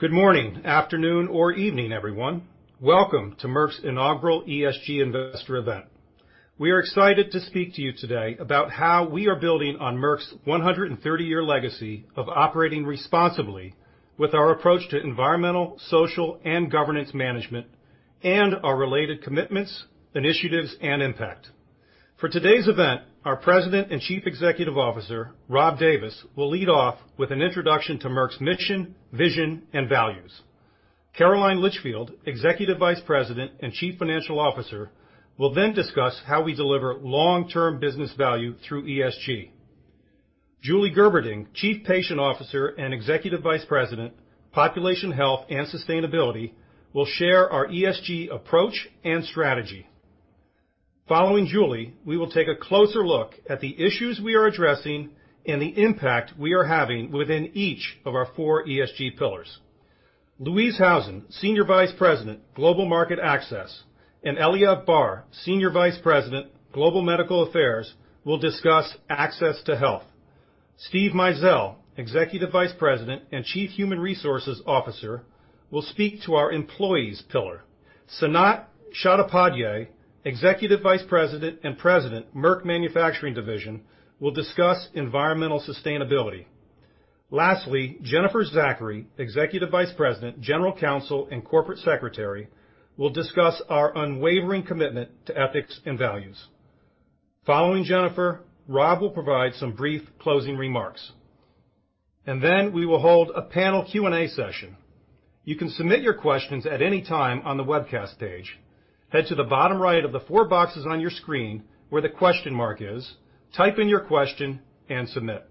Good morning, afternoon, or evening, everyone. Welcome to Merck's Inaugural ESG Investor Event. We are excited to speak to you today about how we are building on Merck's 130-year legacy of operating responsibly with our approach to environmental, social, and governance management, and our related commitments, initiatives, and impact. For today's event, our President and Chief Executive Officer, Rob Davis, will lead off with an introduction to Merck's mission, vision, and values. Caroline Litchfield, Executive Vice President and Chief Financial Officer, will then discuss how we deliver long-term business value through ESG. Julie Gerberding, Chief Patient Officer and Executive Vice President, Population Health and Sustainability, will share our ESG approach and strategy. Following Julie, we will take a closer look at the issues we are addressing and the impact we are having within each of our four ESG pillars. Louise Houson, Senior Vice President, Global Market Access, and Eliav Barr, Senior Vice President, Global Medical Affairs, will discuss access to health. Steven Mizell, Executive Vice President and Chief Human Resources Officer, will speak to our employees pillar. Sanat Chattopadhyay, Executive Vice President and President, Merck Manufacturing Division, will discuss environmental sustainability. Lastly, Jennifer Zachary, Executive Vice President, General Counsel and Corporate Secretary, will discuss our unwavering commitment to ethics and values. Following Jennifer, Rob Davis will provide some brief closing remarks. We will hold a panel Q&A session. You can submit your questions at any time on the webcast page. Head to the bottom right of the four boxes on your screen where the question mark is, type in your question, and submit.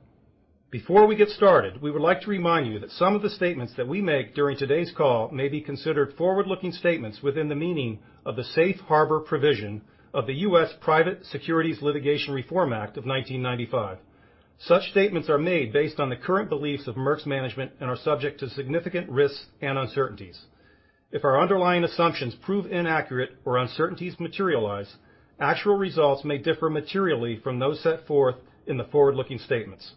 Before we get started, we would like to remind you that some of the statements that we make during today's call may be considered forward-looking statements within the meaning of the Safe Harbor provision of the U.S. Private Securities Litigation Reform Act of 1995. Such statements are made based on the current beliefs of Merck's management and are subject to significant risks and uncertainties. If our underlying assumptions prove inaccurate or uncertainties materialize, actual results may differ materially from those set forth in the forward-looking statements.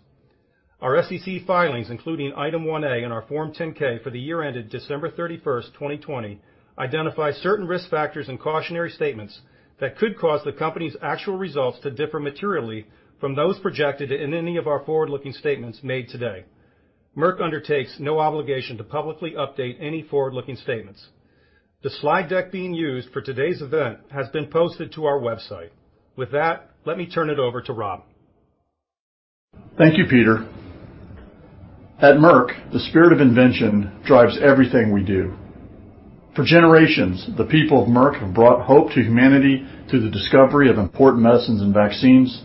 Our SEC filings, including Item 1A and our Form 10-K for the year ended December 31, 2020, identify certain risk factors and cautionary statements that could cause the company's actual results to differ materially from those projected in any of our forward-looking statements made today. Merck undertakes no obligation to publicly update any forward-looking statements. The slide deck being used for today's event has been posted to our website. With that, let me turn it over to Rob. Thank you, Peter. At Merck, the spirit of invention drives everything we do. For generations, the people of Merck have brought hope to humanity through the discovery of important medicines and vaccines,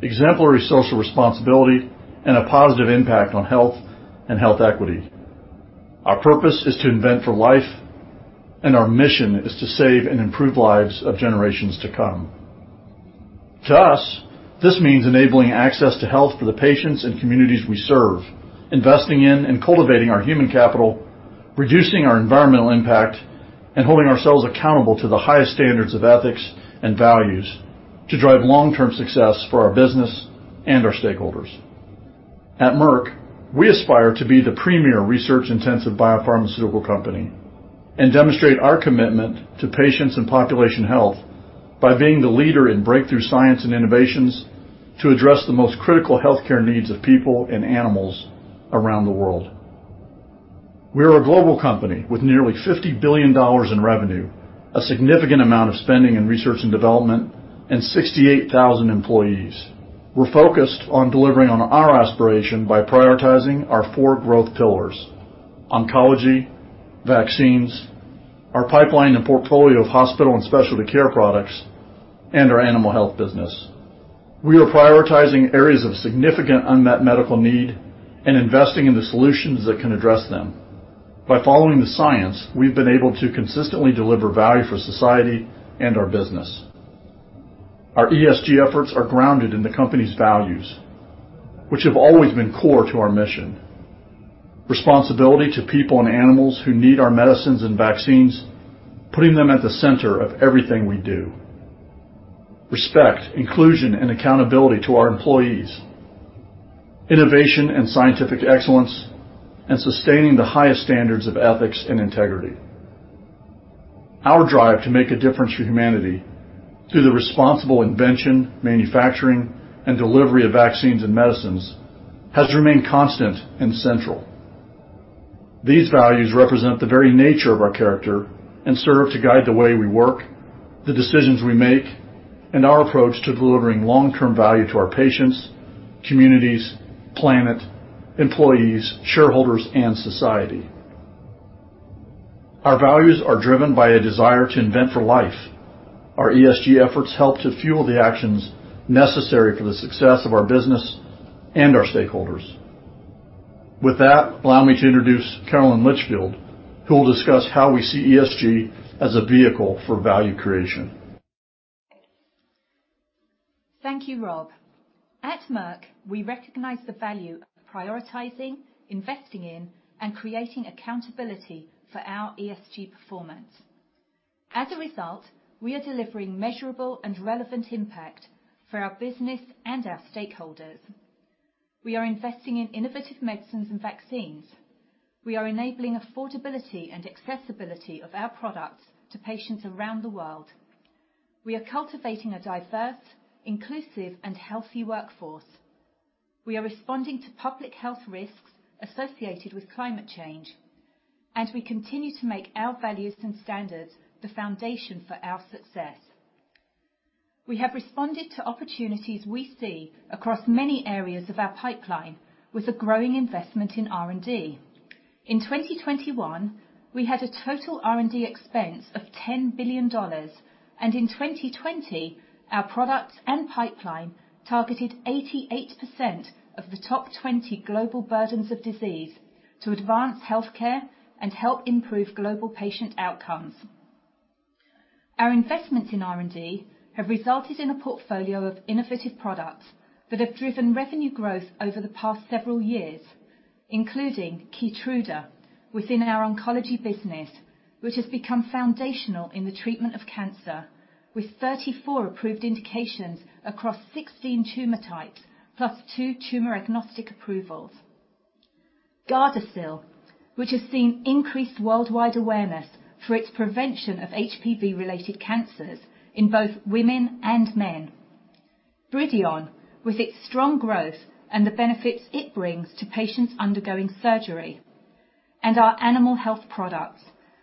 exemplary social responsibility, and a positive impact on health and health equity. Our purpose is to invent for life, and our mission is to save and improve lives of generations to come. To us, this means enabling access to health for the patients and communities we serve, investing in and cultivating our human capital, reducing our environmental impact, and holding ourselves accountable to the highest standards of ethics and values to drive long-term success for our business and our stakeholders. At Merck, we aspire to be the premier research-intensive biopharmaceutical company and demonstrate our commitment to patients and population health by being the leader in breakthrough science and innovations to address the most critical healthcare needs of people and animals around the world. We are a global company with nearly $50 billion in revenue, a significant amount of spending in research and development, and 68,000 employees. We're focused on delivering on our aspiration by prioritizing our four growth pillars: oncology, vaccines, our pipeline and portfolio of hospital and specialty care products, and our animal health business. We are prioritizing areas of significant unmet medical need and investing in the solutions that can address them. By following the science, we've been able to consistently deliver value for society and our business. Our ESG efforts are grounded in the company's values, which have always been core to our mission. Responsibility to people and animals who need our medicines and vaccines, putting them at the center of everything we do. Respect, inclusion, and accountability to our employees. Innovation and scientific excellence. Sustaining the highest standards of ethics and integrity. Our drive to make a difference for humanity through the responsible invention, manufacturing, and delivery of vaccines and medicines has remained constant and central. These values represent the very nature of our character and serve to guide the way we work, the decisions we make, and our approach to delivering long-term value to our patients, communities, planet, employees, shareholders, and society. Our values are driven by a desire to invent for life. Our ESG efforts help to fuel the actions necessary for the success of our business and our stakeholders. With that, allow me to introduce Caroline Litchfield, who will discuss how we see ESG as a vehicle for value creation. Thank you, Rob. At Merck, we recognize the value of prioritizing, investing in, and creating accountability for our ESG performance. As a result, we are delivering measurable and relevant impact for our business and our stakeholders. We are investing in innovative medicines and vaccines. We are enabling affordability and accessibility of our products to patients around the world. We are cultivating a diverse, inclusive and healthy workforce. We are responding to public health risks associated with climate change, and we continue to make our values and standards the foundation for our success. We have responded to opportunities we see across many areas of our pipeline with a growing investment in R&D. In 2021, we had a total R&D expense of $10 billion, and in 2020, our products and pipeline targeted 88% of the top 20 global burdens of disease to advance healthcare and help improve global patient outcomes. Our investments in R&D have resulted in a portfolio of innovative products that have driven revenue growth over the past several years, including Keytruda within our oncology business, which has become foundational in the treatment of cancer, with 34 approved indications across 16 tumor types, plus two tumor-agnostic approvals. Gardasil, which has seen increased worldwide awareness for its prevention of HPV-related cancers in both women and men. BRIDION, with its strong growth and the benefits it brings to patients undergoing surgery, and our animal health products,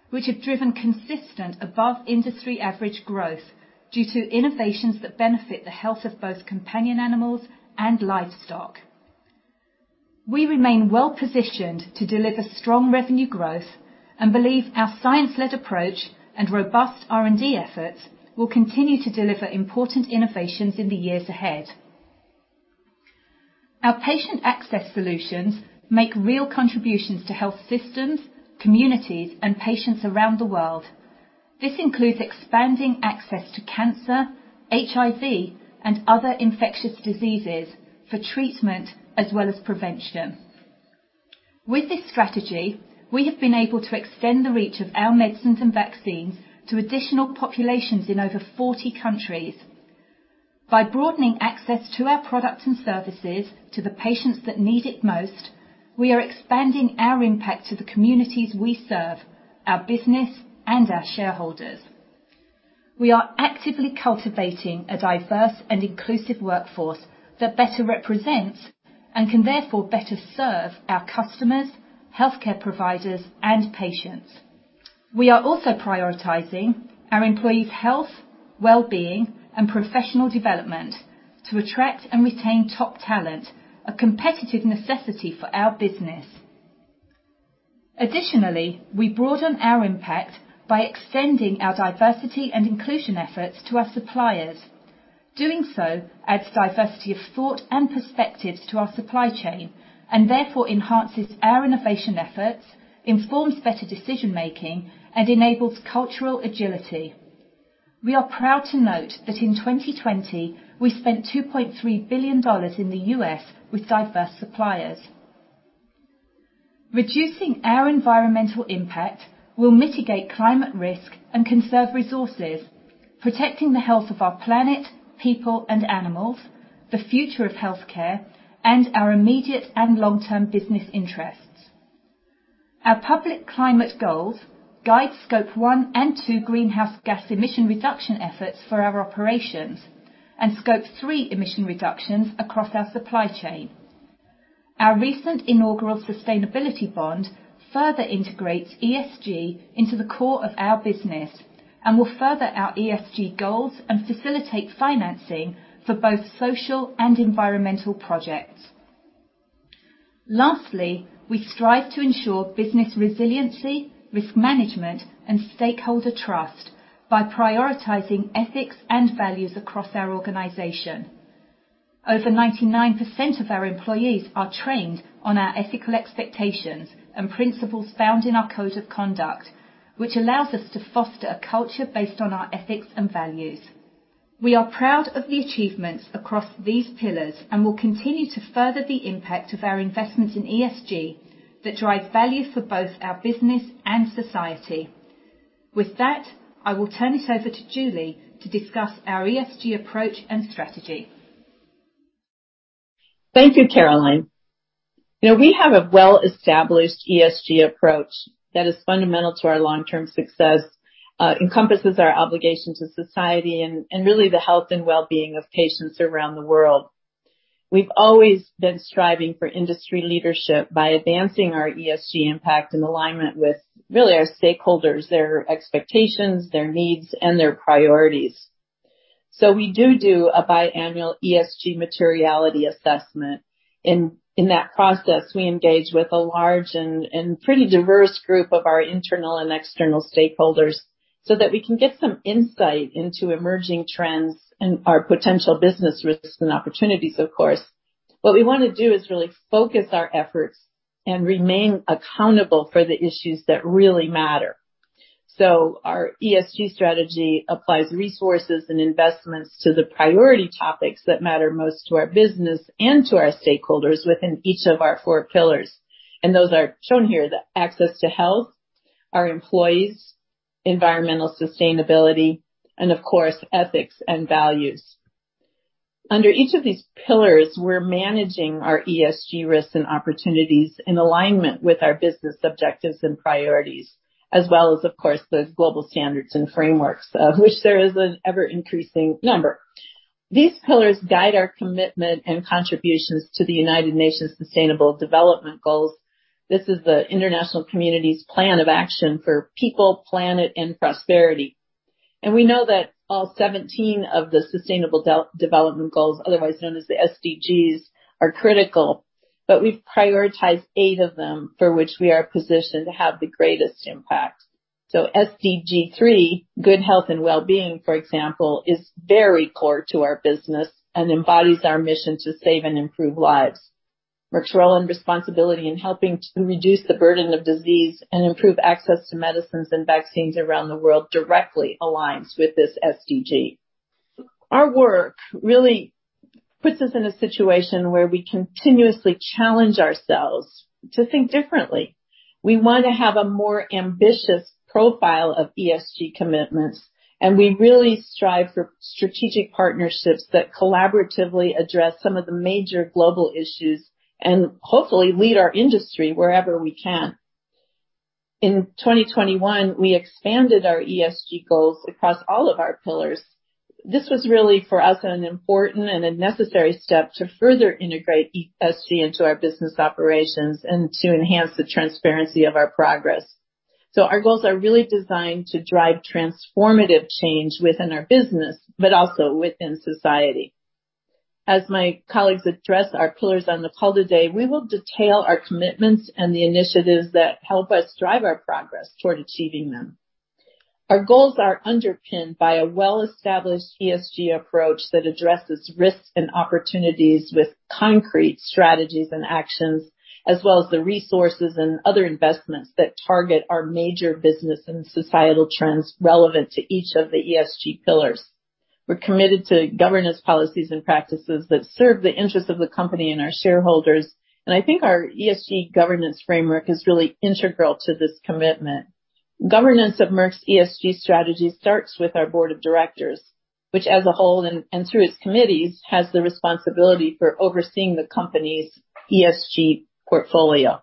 which have driven consistent above industry average growth due to innovations that benefit the health of both companion animals and livestock. We remain well-positioned to deliver strong revenue growth and believe our science-led approach and robust R&D efforts will continue to deliver important innovations in the years ahead. Our patient access solutions make real contributions to health systems, communities and patients around the world. This includes expanding access to cancer, HIV and other infectious diseases for treatment as well as prevention. With this strategy, we have been able to extend the reach of our medicines and vaccines to additional populations in over 40 countries. By broadening access to our products and services to the patients that need it most, we are expanding our impact to the communities we serve, our business and our shareholders. We are actively cultivating a diverse and inclusive workforce that better represents and can therefore better serve our customers, healthcare providers and patients. We are also prioritizing our employees' health, well-being and professional development to attract and retain top talent, a competitive necessity for our business. Additionally, we broaden our impact by extending our diversity and inclusion efforts to our suppliers. Doing so adds diversity of thought and perspectives to our supply chain and therefore enhances our innovation efforts, informs better decision-making, and enables cultural agility. We are proud to note that in 2020, we spent $2.3 billion in the U.S. with diverse suppliers. Reducing our environmental impact will mitigate climate risk and conserve resources, protecting the health of our planet, people and animals, the future of healthcare and our immediate and long-term business interests. Our public climate goals guide Scope 1 and 2 greenhouse gas emission reduction efforts for our operations and Scope 3 emission reductions across our supply chain. Our recent inaugural sustainability bond further integrates ESG into the core of our business and will further our ESG goals and facilitate financing for both social and environmental projects. Lastly, we strive to ensure business resiliency, risk management and stakeholder trust by prioritizing ethics and values across our organization. Over 99% of our employees are trained on our ethical expectations and principles found in our code of conduct, which allows us to foster a culture based on our ethics and values. We are proud of the achievements across these pillars and will continue to further the impact of our investment in ESG that drive value for both our business and society. With that, I will turn it over to Julie to discuss our ESG approach and strategy. Thank you, Caroline. You know, we have a well-established ESG approach that is fundamental to our long-term success, encompasses our obligation to society and really the health and well-being of patients around the world. We've always been striving for industry leadership by advancing our ESG impact in alignment with really our stakeholders, their expectations, their needs, and their priorities. We do a biannual ESG materiality assessment. In that process, we engage with a large and pretty diverse group of our internal and external stakeholders so that we can get some insight into emerging trends and our potential business risks and opportunities, of course. What we wanna do is really focus our efforts and remain accountable for the issues that really matter. Our ESG strategy applies resources and investments to the priority topics that matter most to our business and to our stakeholders within each of our four pillars. Those are shown here, the access to health, our employees, environmental sustainability, and of course, ethics and values. Under each of these pillars, we're managing our ESG risks and opportunities in alignment with our business objectives and priorities, as well as, of course, the global standards and frameworks, of which there is an ever-increasing number. These pillars guide our commitment and contributions to the United Nations Sustainable Development Goals. This is the international community's plan of action for people, planet, and prosperity. We know that all seventeen of the Sustainable Development Goals, otherwise known as the SDGs, are critical, but we've prioritized eight of them for which we are positioned to have the greatest impact. SDG 3, good health and well-being, for example, is very core to our business and embodies our mission to save and improve lives. Merck's role and responsibility in helping to reduce the burden of disease and improve access to medicines and vaccines around the world directly aligns with this SDG. Our work really puts us in a situation where we continuously challenge ourselves to think differently. We want to have a more ambitious profile of ESG commitments, and we really strive for strategic partnerships that collaboratively address some of the major global issues and hopefully lead our industry wherever we can. In 2021, we expanded our ESG goals across all of our pillars. This was really, for us, an important and a necessary step to further integrate ESG into our business operations and to enhance the transparency of our progress. Our goals are really designed to drive transformative change within our business, but also within society. As my colleagues address our pillars on the call today, we will detail our commitments and the initiatives that help us drive our progress toward achieving them. Our goals are underpinned by a well-established ESG approach that addresses risks and opportunities with concrete strategies and actions, as well as the resources and other investments that target our major business and societal trends relevant to each of the ESG pillars. We're committed to governance policies and practices that serve the interests of the company and our shareholders, and I think our ESG governance framework is really integral to this commitment. Governance of Merck's ESG strategy starts with our board of directors, which as a whole and through its committees, has the responsibility for overseeing the company's ESG portfolio.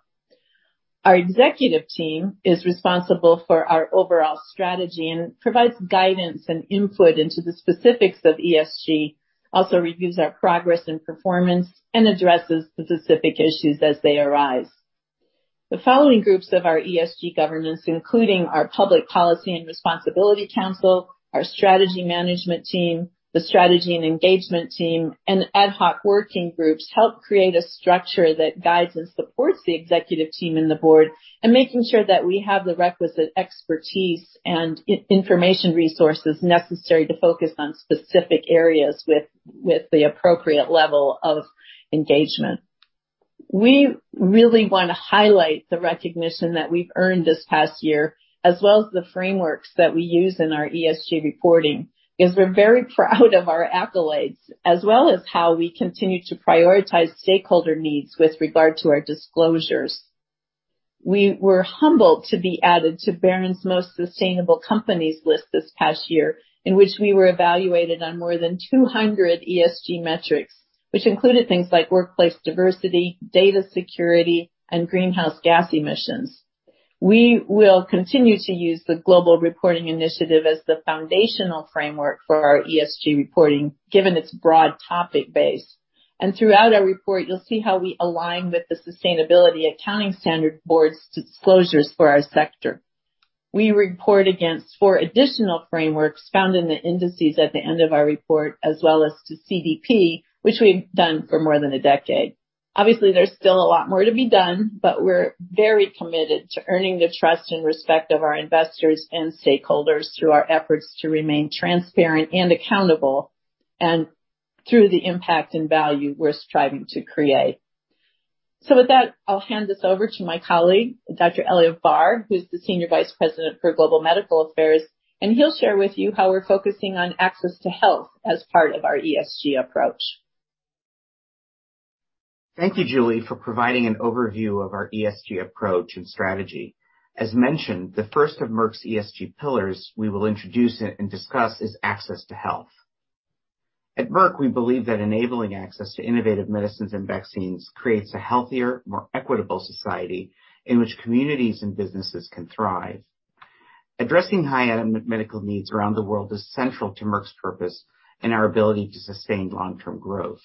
Our executive team is responsible for our overall strategy and provides guidance and input into the specifics of ESG, also reviews our progress and performance, and addresses specific issues as they arise. The following groups of our ESG governance, including our Public Policy and Responsibility Council, our strategy management team, the strategy and engagement team, and ad hoc working groups, help create a structure that guides and supports the executive team and the board in making sure that we have the requisite expertise and information resources necessary to focus on specific areas with the appropriate level of engagement. We really wanna highlight the recognition that we've earned this past year, as well as the frameworks that we use in our ESG reporting, 'cause we're very proud of our accolades, as well as how we continue to prioritize stakeholder needs with regard to our disclosures. We were humbled to be added to Barron's Most Sustainable Companies list this past year, in which we were evaluated on more than 200 ESG metrics, which included things like workplace diversity, data security, and greenhouse gas emissions. We will continue to use the Global Reporting Initiative as the foundational framework for our ESG reporting, given its broad topic base. Throughout our report, you'll see how we align with the Sustainability Accounting Standards Board's disclosures for our sector. We report against four additional frameworks found in the indices at the end of our report, as well as to CDP, which we've done for more than a decade. Obviously, there's still a lot more to be done, but we're very committed to earning the trust and respect of our investors and stakeholders through our efforts to remain transparent and accountable, and through the impact and value we're striving to create. With that, I'll hand this over to my colleague, Dr. Eliav Barr, who's the Senior Vice President for Global Medical Affairs, and he'll share with you how we're focusing on access to health as part of our ESG approach. Thank you, Julie, for providing an overview of our ESG approach and strategy. As mentioned, the first of Merck's ESG pillars we will introduce it and discuss is access to health. At Merck, we believe that enabling access to innovative medicines and vaccines creates a healthier, more equitable society in which communities and businesses can thrive. Addressing high medical needs around the world is central to Merck's purpose and our ability to sustain long-term growth.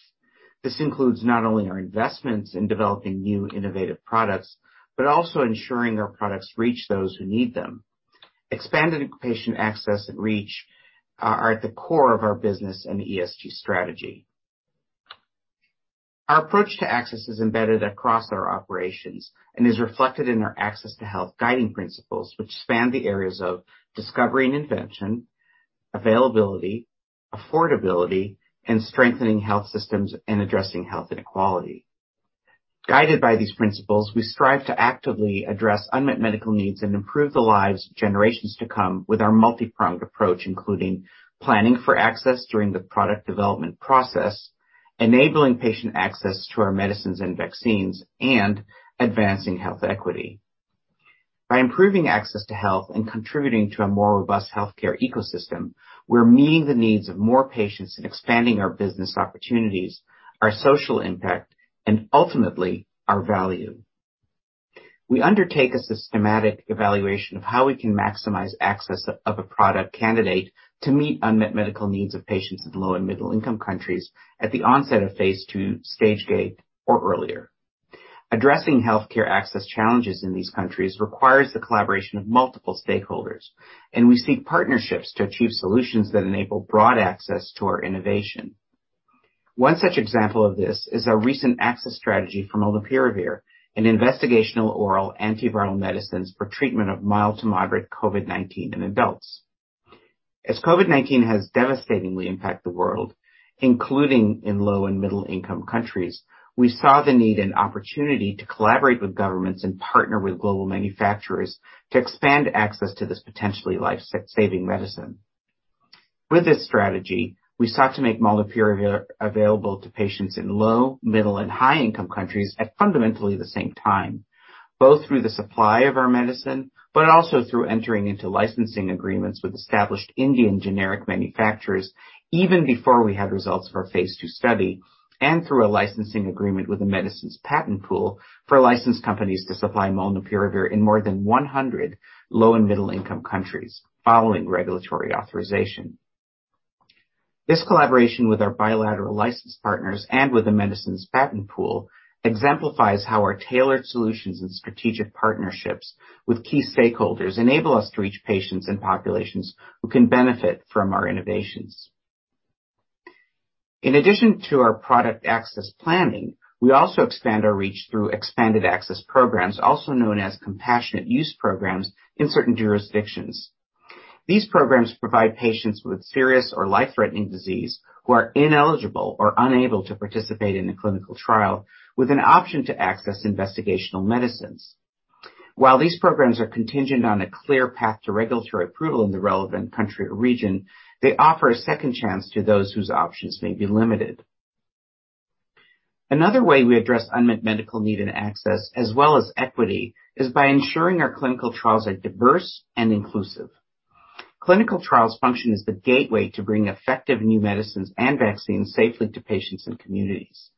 This includes not only our investments in developing new innovative products, but also ensuring our products reach those who need them. Expanded patient access and reach are at the core of our business and ESG strategy. Our approach to access is embedded across our operations and is reflected in our access to health guiding principles, which span the areas of discovery and invention, availability, affordability, and strengthening health systems and addressing health inequality. Guided by these principles, we strive to actively address unmet medical needs and improve the lives of generations to come with our multi-pronged approach, including planning for access during the product development process, enabling patient access to our medicines and vaccines, and advancing health equity. By improving access to health and contributing to a more robust healthcare ecosystem, we're meeting the needs of more patients and expanding our business opportunities, our social impact, and ultimately, our value. We undertake a systematic evaluation of how we can maximize access of a product candidate to meet unmet medical needs of patients in low and middle income countries at the onset of phase II stage gate or earlier. Addressing healthcare access challenges in these countries requires the collaboration of multiple stakeholders, and we seek partnerships to achieve solutions that enable broad access to our innovation. One such example of this is our recent access strategy for molnupiravir, an investigational oral antiviral medicine for treatment of mild to moderate COVID-19 in adults. As COVID-19 has devastatingly impacted the world, including in low and middle income countries, we saw the need and opportunity to collaborate with governments and partner with global manufacturers to expand access to this potentially life-saving medicine. With this strategy, we sought to make molnupiravir available to patients in low, middle, and high-income countries at fundamentally the same time, both through the supply of our medicine, but also through entering into licensing agreements with established Indian generic manufacturers even before we had results of our phase II study. Through a licensing agreement with the Medicines Patent Pool for licensed companies to supply molnupiravir in more than 100 low and middle income countries following regulatory authorization. This collaboration with our bilateral license partners and with the Medicines Patent Pool exemplifies how our tailored solutions and strategic partnerships with key stakeholders enable us to reach patients and populations who can benefit from our innovations. In addition to our product access planning, we also expand our reach through expanded access programs, also known as compassionate use programs in certain jurisdictions. These programs provide patients with serious or life-threatening disease who are ineligible or unable to participate in a clinical trial with an option to access investigational medicines. While these programs are contingent on a clear path to regulatory approval in the relevant country or region, they offer a second chance to those whose options may be limited. Another way we address unmet medical need and access as well as equity, is by ensuring our clinical trials are diverse and inclusive. Clinical trials function as the gateway to bring effective new medicines and vaccines safely to patients and communities.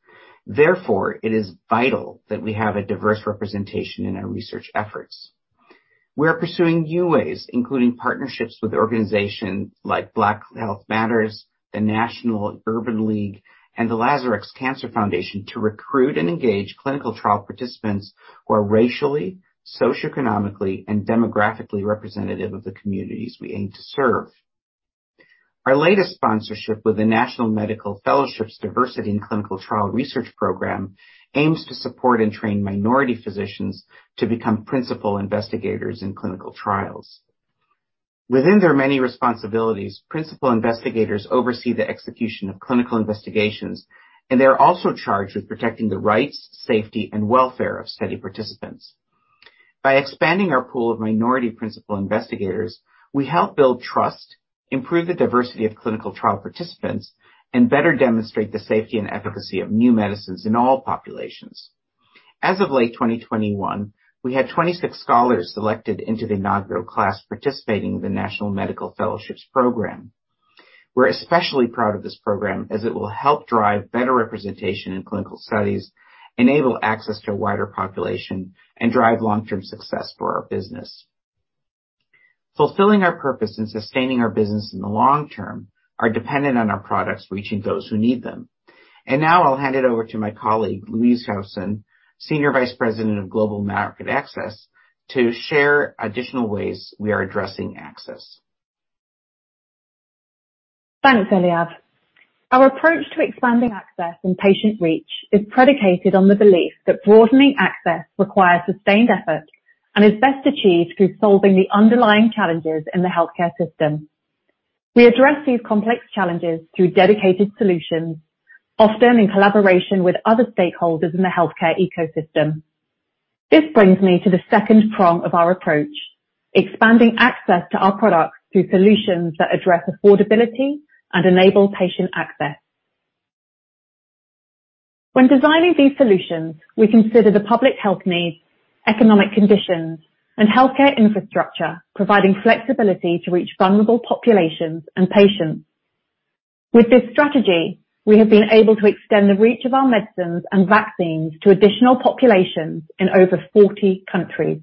Therefore, it is vital that we have a diverse representation in our research efforts. We are pursuing new ways, including partnerships with organizations like Black Health Matters, the National Urban League, and the Lazarex Cancer Foundation, to recruit and engage clinical trial participants who are racially, socioeconomically, and demographically representative of the communities we aim to serve. Our latest sponsorship with the National Medical Fellowships Diversity and Clinical Trial Research Program aims to support and train minority physicians to become principal investigators in clinical trials. Within their many responsibilities, principal investigators oversee the execution of clinical investigations, and they are also charged with protecting the rights, safety, and welfare of study participants. By expanding our pool of minority principal investigators, we help build trust, improve the diversity of clinical trial participants, and better demonstrate the safety and efficacy of new medicines in all populations. As of late 2021, we had 26 scholars selected into the inaugural class participating in the National Medical Fellowships program. We're especially proud of this program as it will help drive better representation in clinical studies, enable access to a wider population, and drive long-term success for our business. Fulfilling our purpose and sustaining our business in the long term are dependent on our products reaching those who need them. Now I'll hand it over to my colleague, Louise Houson, Senior Vice President of Global Market Access, to share additional ways we are addressing access. Thanks, Eliav. Our approach to expanding access and patient reach is predicated on the belief that broadening access requires sustained effort and is best achieved through solving the underlying challenges in the healthcare system. We address these complex challenges through dedicated solutions, often in collaboration with other stakeholders in the healthcare ecosystem. This brings me to the second prong of our approach, expanding access to our products through solutions that address affordability and enable patient access. When designing these solutions, we consider the public health needs, economic conditions, and healthcare infrastructure, providing flexibility to reach vulnerable populations and patients. With this strategy, we have been able to extend the reach of our medicines and vaccines to additional populations in over 40 countries.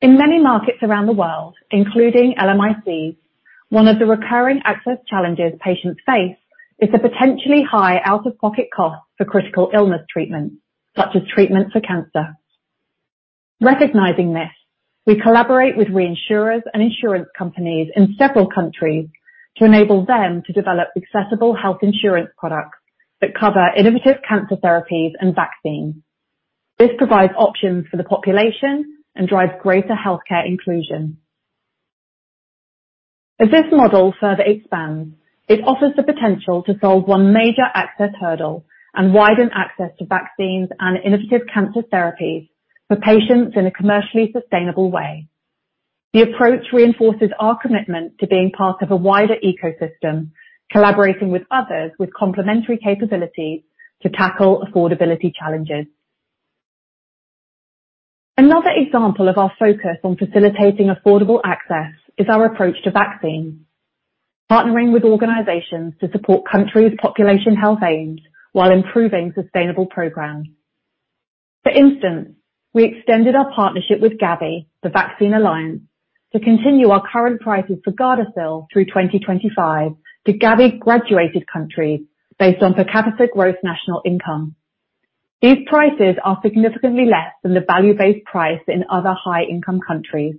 In many markets around the world, including LMICs, one of the recurring access challenges patients face is the potentially high out-of-pocket costs for critical illness treatment, such as treatment for cancer. Recognizing this, we collaborate with reinsurers and insurance companies in several countries to enable them to develop accessible health insurance products that cover innovative cancer therapies and vaccines. This provides options for the population and drives greater healthcare inclusion. As this model further expands, it offers the potential to solve one major access hurdle and widen access to vaccines and innovative cancer therapies for patients in a commercially sustainable way. The approach reinforces our commitment to being part of a wider ecosystem, collaborating with others with complementary capabilities to tackle affordability challenges. Another example of our focus on facilitating affordable access is our approach to vaccines, partnering with organizations to support countries' population health aims while improving sustainable programs. For instance, we extended our partnership with Gavi, the Vaccine Alliance, to continue our current prices for Gardasil through 2025 to Gavi graduated countries based on per capita gross national income. These prices are significantly less than the value-based price in other high-income countries.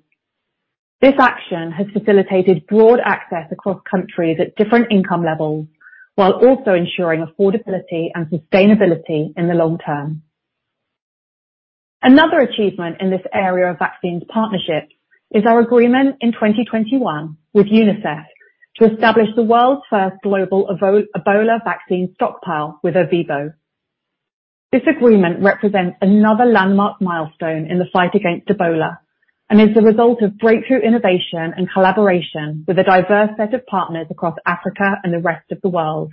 This action has facilitated broad access across countries at different income levels while also ensuring affordability and sustainability in the long term. Another achievement in this area of vaccine partnerships is our agreement in 2021 with UNICEF to establish the world's first global Ebola vaccine stockpile with ERVEBO. This agreement represents another landmark milestone in the fight against Ebola and is the result of breakthrough innovation and collaboration with a diverse set of partners across Africa and the rest of the world.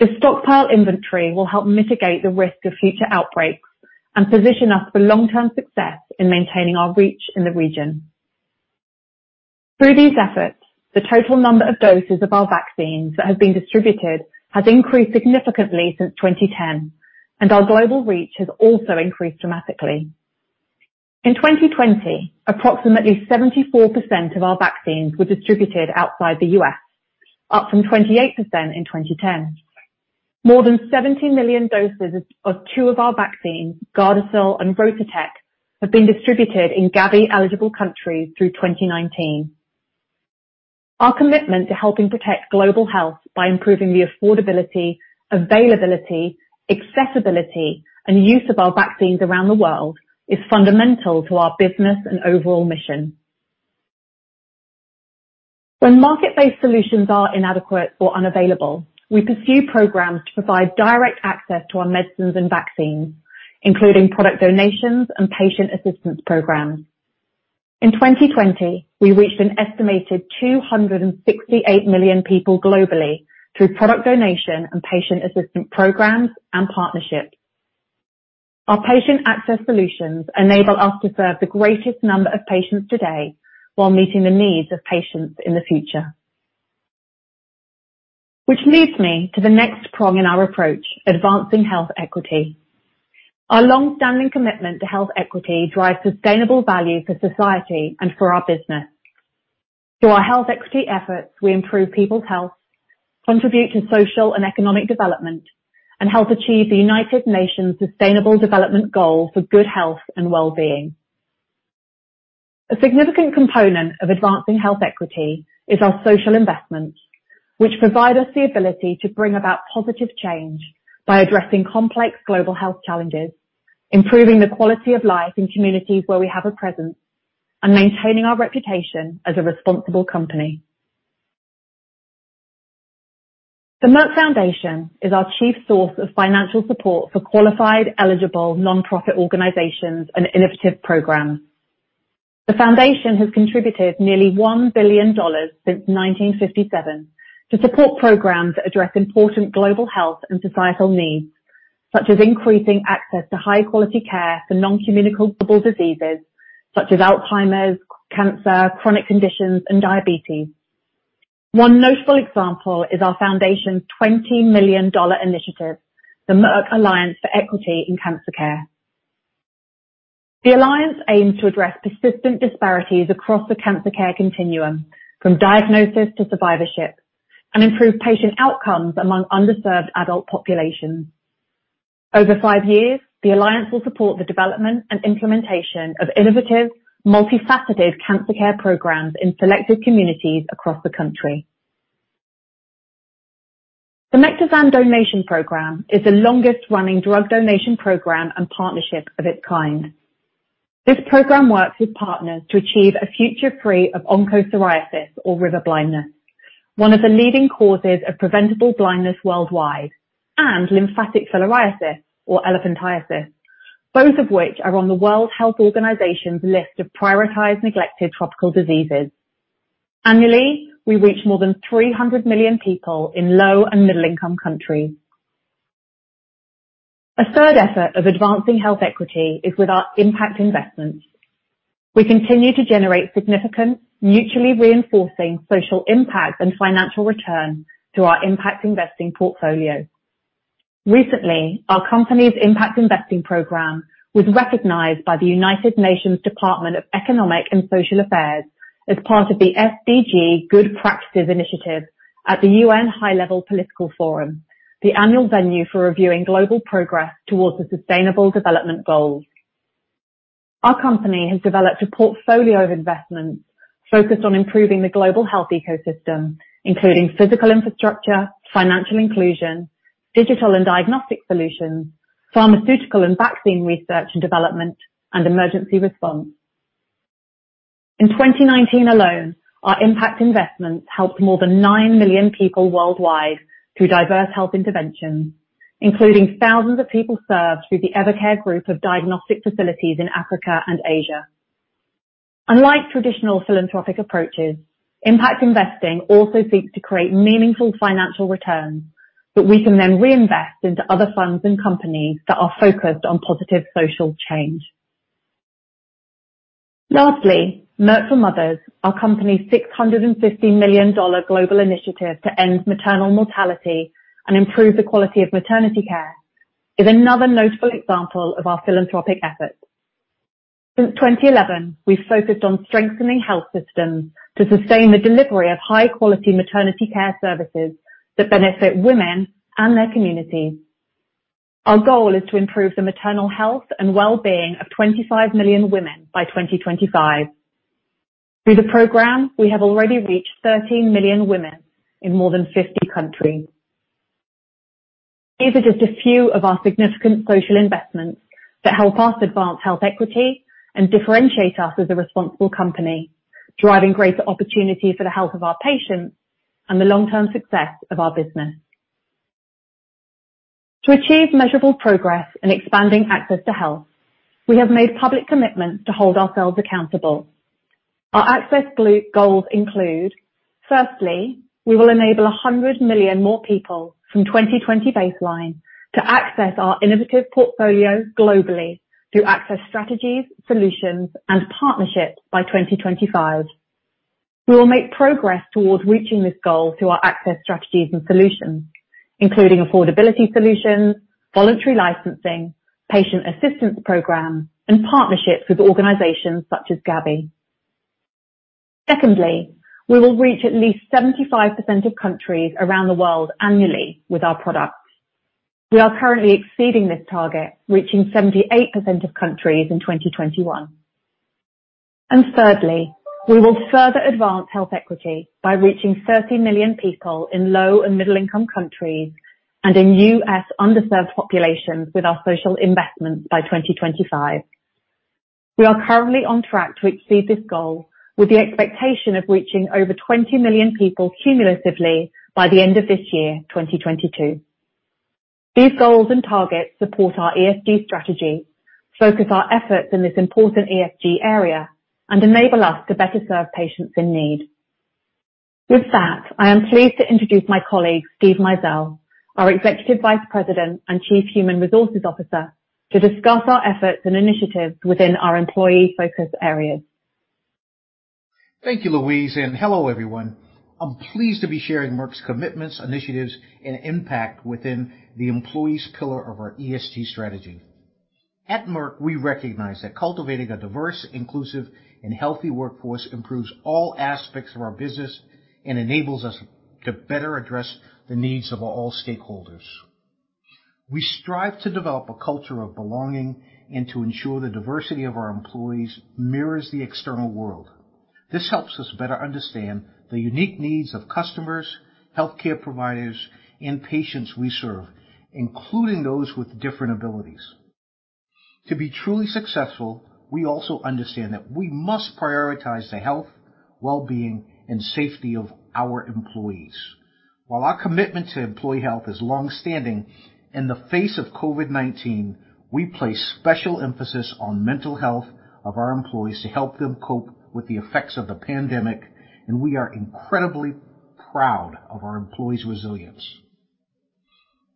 The stockpile inventory will help mitigate the risk of future outbreaks and position us for long-term success in maintaining our reach in the region. Through these efforts, the total number of doses of our vaccines that have been distributed has increased significantly since 2010, and our global reach has also increased dramatically. In 2020, approximately 74% of our vaccines were distributed outside the U.S., up from 28% in 2010. More than 70 million doses of two of our vaccines, Gardasil and RotaTeq, have been distributed in Gavi-eligible countries through 2019. Our commitment to helping protect global health by improving the affordability, availability, accessibility, and use of our vaccines around the world is fundamental to our business and overall mission. When market-based solutions are inadequate or unavailable, we pursue programs to provide direct access to our medicines and vaccines, including product donations and patient assistance programs. In 2020, we reached an estimated 268 million people globally through product donation and patient assistance programs and partnerships. Our patient access solutions enable us to serve the greatest number of patients today while meeting the needs of patients in the future. Which leads me to the next prong in our approach, advancing health equity. Our long-standing commitment to health equity drives sustainable value for society and for our business. Through our health equity efforts, we improve people's health, contribute to social and economic development, and help achieve the United Nations Sustainable Development Goal for good health and well-being. A significant component of advancing health equity is our social investments, which provide us the ability to bring about positive change by addressing complex global health challenges, improving the quality of life in communities where we have a presence, and maintaining our reputation as a responsible company. The Merck Foundation is our chief source of financial support for qualified eligible nonprofit organizations and innovative programs. The Foundation has contributed nearly $1 billion since 1957 to support programs that address important global health and societal needs, such as increasing access to high-quality care for non-communicable diseases such as Alzheimer's, cancer, chronic conditions, and diabetes. One notable example is our Foundation's $20 million initiative, the Merck Alliance for Equity in Cancer Care. The Alliance aims to address persistent disparities across the cancer care continuum, from diagnosis to survivorship, and improve patient outcomes among underserved adult populations. Over 5 years, the alliance will support the development and implementation of innovative, multifaceted cancer care programs in selected communities across the country. The Mectizan Donation Program is the longest-running drug donation program and partnership of its kind. This program works with partners to achieve a future free of onchocerciasis or river blindness, one of the leading causes of preventable blindness worldwide, and lymphatic filariasis or elephantiasis, both of which are on the World Health Organization's list of prioritized neglected tropical diseases. Annually, we reach more than 300 million people in low and middle income countries. A third effort of advancing health equity is with our impact investments. We continue to generate significant, mutually reinforcing social impact and financial return through our impact investing portfolio. Recently, our company's impact investing program was recognized by the United Nations Department of Economic and Social Affairs as part of the SDG Good Practices initiative at the UN High-level Political Forum, the annual venue for reviewing global progress towards the Sustainable Development Goals. Our company has developed a portfolio of investments focused on improving the global health ecosystem, including physical infrastructure, financial inclusion, digital and diagnostic solutions, pharmaceutical and vaccine research and development, and emergency response. In 2019 alone, our impact investments helped more than 9 million people worldwide through diverse health interventions, including thousands of people served through the Evercare Group of diagnostic facilities in Africa and Asia. Unlike traditional philanthropic approaches, impact investing also seeks to create meaningful financial returns that we can then reinvest into other funds and companies that are focused on positive social change. Lastly, Merck for Mothers, our company's $650 million global initiative to end maternal mortality and improve the quality of maternity care, is another notable example of our philanthropic efforts. Since 2011, we've focused on strengthening health systems to sustain the delivery of high-quality maternity care services that benefit women and their communities. Our goal is to improve the maternal health and well-being of 25 million women by 2025. Through the program, we have already reached 13 million women in more than 50 countries. These are just a few of our significant social investments that help us advance health equity and differentiate us as a responsible company, driving greater opportunity for the health of our patients and the long-term success of our business. To achieve measurable progress in expanding access to health, we have made public commitments to hold ourselves accountable. Our access goals include, firstly, we will enable 100 million more people from 2020 baseline to access our innovative portfolio globally through access strategies, solutions, and partnerships by 2025. We will make progress towards reaching this goal through our access strategies and solutions, including affordability solutions, voluntary licensing, patient assistance programs, and partnerships with organizations such as Gavi. Secondly, we will reach at least 75% of countries around the world annually with our products. We are currently exceeding this target, reaching 78% of countries in 2021. Thirdly, we will further advance health equity by reaching 30 million people in low- and middle-income countries and in U.S. underserved populations with our social investments by 2025. We are currently on track to exceed this goal with the expectation of reaching over 20 million people cumulatively by the end of this year, 2022. These goals and targets support our ESG strategy, focus our efforts in this important ESG area, and enable us to better serve patients in need. With that, I am pleased to introduce my colleague, Steven Mizell, our Executive Vice President and Chief Human Resources Officer, to discuss our efforts and initiatives within our employee focus areas. Thank you, Louise, and hello, everyone. I'm pleased to be sharing Merck's commitments, initiatives, and impact within the employees pillar of our ESG strategy. At Merck, we recognize that cultivating a diverse, inclusive, and healthy workforce improves all aspects of our business and enables us to better address the needs of all stakeholders. We strive to develop a culture of belonging and to ensure the diversity of our employees mirrors the external world. This helps us better understand the unique needs of customers, healthcare providers, and patients we serve, including those with different abilities. To be truly successful, we also understand that we must prioritize the health, well-being, and safety of our employees. While our commitment to employee health is long-standing, in the face of COVID-19, we place special emphasis on mental health of our employees to help them cope with the effects of the pandemic, and we are incredibly proud of our employees' resilience.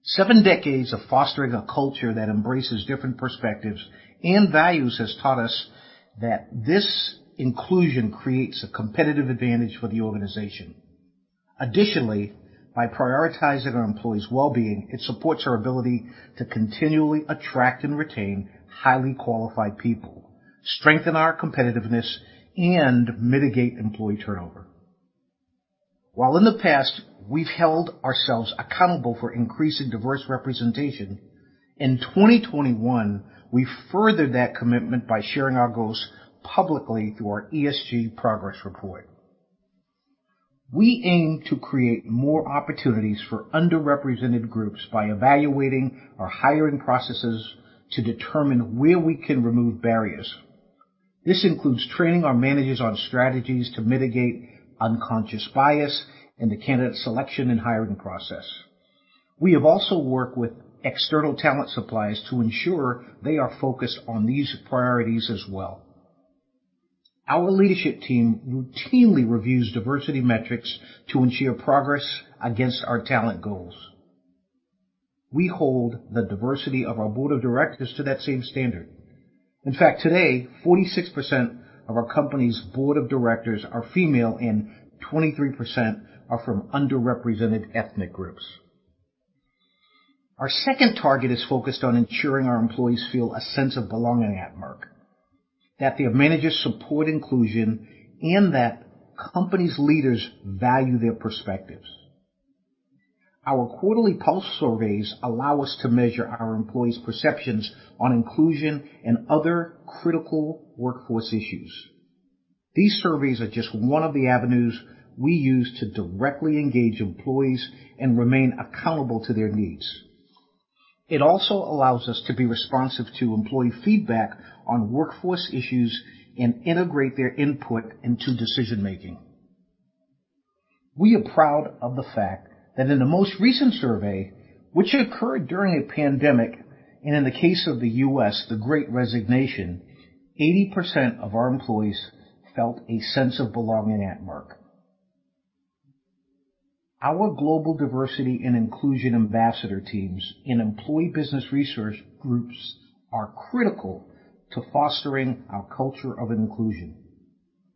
Seven decades of fostering a culture that embraces different perspectives and values has taught us that this inclusion creates a competitive advantage for the organization. Additionally, by prioritizing our employees' well-being, it supports our ability to continually attract and retain highly qualified people, strengthen our competitiveness, and mitigate employee turnover. While in the past, we've held ourselves accountable for increasing diverse representation, in 2021 we furthered that commitment by sharing our goals publicly through our ESG progress report. We aim to create more opportunities for underrepresented groups by evaluating our hiring processes to determine where we can remove barriers. This includes training our managers on strategies to mitigate unconscious bias in the candidate selection and hiring process. We have also worked with external talent suppliers to ensure they are focused on these priorities as well. Our leadership team routinely reviews diversity metrics to ensure progress against our talent goals. We hold the diversity of our board of directors to that same standard. In fact, today, 46% of our company's board of directors are female, and 23% are from underrepresented ethnic groups. Our second target is focused on ensuring our employees feel a sense of belonging at Merck, that their managers support inclusion, and that company's leaders value their perspectives. Our quarterly pulse surveys allow us to measure our employees' perceptions on inclusion and other critical workforce issues. These surveys are just one of the avenues we use to directly engage employees and remain accountable to their needs. It also allows us to be responsive to employee feedback on workforce issues and integrate their input into decision-making. We are proud of the fact that in the most recent survey, which occurred during a pandemic, and in the case of the U.S., the great resignation, 80% of our employees felt a sense of belonging at Merck. Our global diversity and inclusion ambassador teams and employee business resource groups are critical to fostering our culture of inclusion.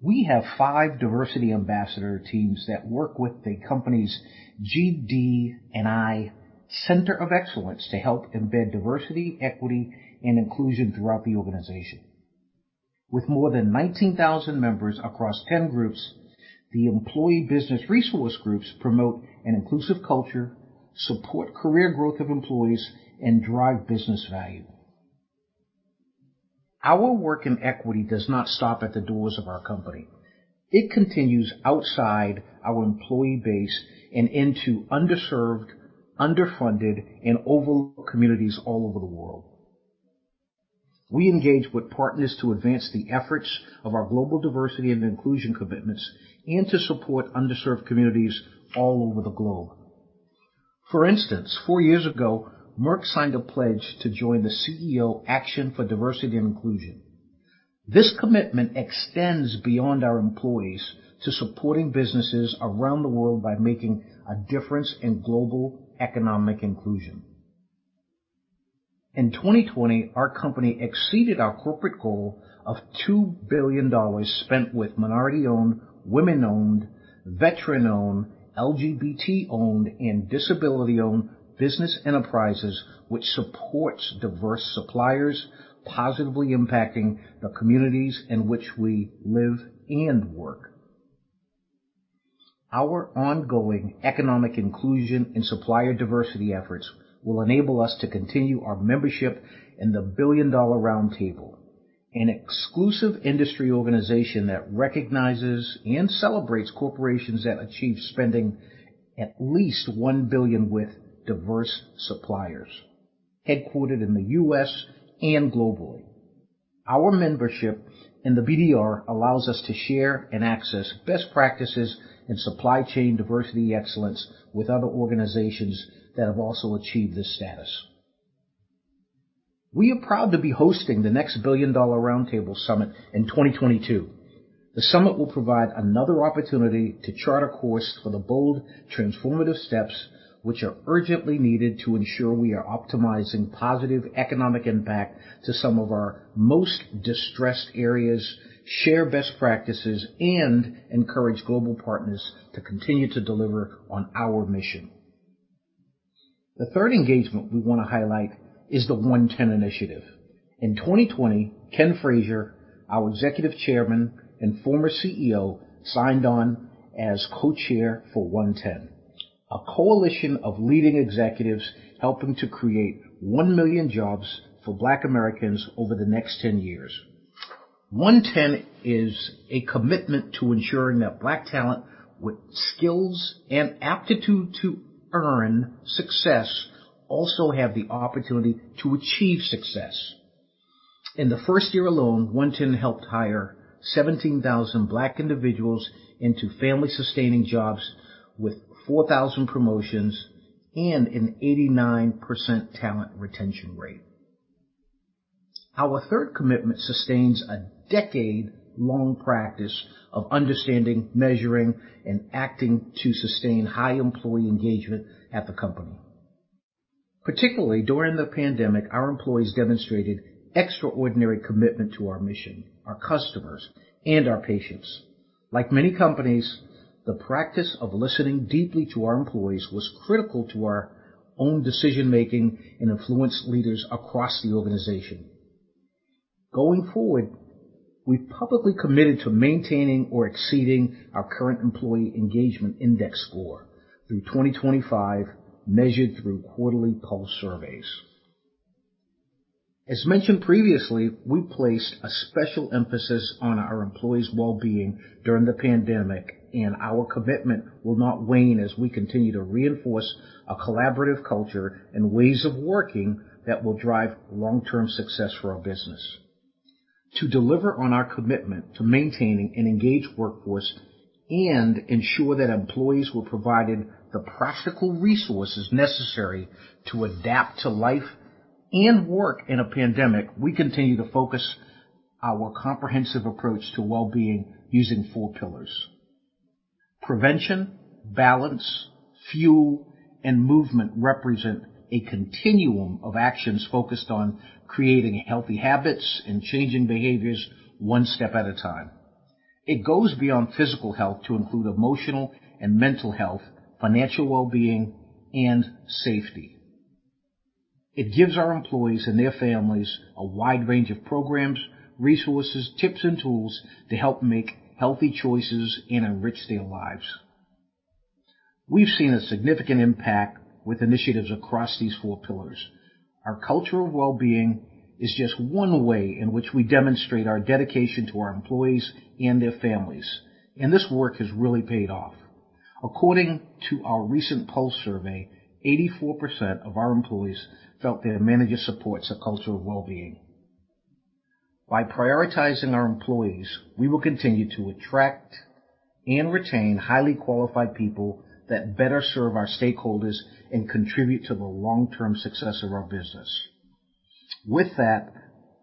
We have five diversity ambassador teams that work with the company's GDI Center of Excellence to help embed diversity, equity, and inclusion throughout the organization. With more than 19,000 members across 10 groups, the employee business resource groups promote an inclusive culture, support career growth of employees, and drive business value. Our work in equity does not stop at the doors of our company. It continues outside our employee base and into underserved, underfunded, and overlooked communities all over the world. We engage with partners to advance the efforts of our global diversity and inclusion commitments and to support underserved communities all over the globe. For instance, four years ago, Merck signed a pledge to join the CEO Action for Diversity & Inclusion. This commitment extends beyond our employees to supporting businesses around the world by making a difference in global economic inclusion. In 2020, our company exceeded our corporate goal of $2 billion spent with minority-owned, women-owned, veteran-owned, LGBT-owned, and disability-owned business enterprises which supports diverse suppliers, positively impacting the communities in which we live and work. Our ongoing economic inclusion and supplier diversity efforts will enable us to continue our membership in the Billion Dollar Roundtable, an exclusive industry organization that recognizes and celebrates corporations that achieve spending at least $1 billion with diverse suppliers, headquartered in the U.S. and globally. Our membership in the BDR allows us to share and access best practices in supply chain diversity excellence with other organizations that have also achieved this status. We are proud to be hosting the next Billion Dollar Roundtable Summit in 2022. The summit will provide another opportunity to chart a course for the bold, transformative steps which are urgently needed to ensure we are optimizing positive economic impact to some of our most distressed areas, share best practices, and encourage global partners to continue to deliver on our mission. The third engagement we want to highlight is the OneTen initiative. In 2020, Ken Frazier, our Executive Chairman and former CEO, signed on as Co-Chair for OneTen, a coalition of leading executives helping to create 1 million jobs for Black Americans over the next 10 years. OneTen is a commitment to ensuring that Black talent with skills and aptitude to earn success also have the opportunity to achieve success. In the first year alone, OneTen helped hire 17,000 Black individuals into family-sustaining jobs with 4,000 promotions and an 89% talent retention rate. Our third commitment sustains a decade-long practice of understanding, measuring, and acting to sustain high employee engagement at the company. Particularly during the pandemic, our employees demonstrated extraordinary commitment to our mission, our customers, and our patients. Like many companies, the practice of listening deeply to our employees was critical to our own decision-making and influenced leaders across the organization. Going forward, we publicly committed to maintaining or exceeding our current employee engagement index score through 2025, measured through quarterly pulse surveys. As mentioned previously, we placed a special emphasis on our employees' well-being during the pandemic, and our commitment will not wane as we continue to reinforce a collaborative culture and ways of working that will drive long-term success for our business. To deliver on our commitment to maintaining an engaged workforce and ensure that employees were provided the practical resources necessary to adapt to life and work in a pandemic, we continue to focus our comprehensive approach to well-being using four pillars. Prevention, balance, fuel, and movement represent a continuum of actions focused on creating healthy habits and changing behaviors one step at a time. It goes beyond physical health to include emotional and mental health, financial well-being, and safety. It gives our employees and their families a wide range of programs, resources, tips and tools to help make healthy choices and enrich their lives. We've seen a significant impact with initiatives across these four pillars. Our culture of well-being is just one way in which we demonstrate our dedication to our employees and their families, and this work has really paid off. According to our recent pulse survey, 84% of our employees felt their manager supports a culture of well-being. By prioritizing our employees, we will continue to attract and retain highly qualified people that better serve our stakeholders and contribute to the long-term success of our business. With that,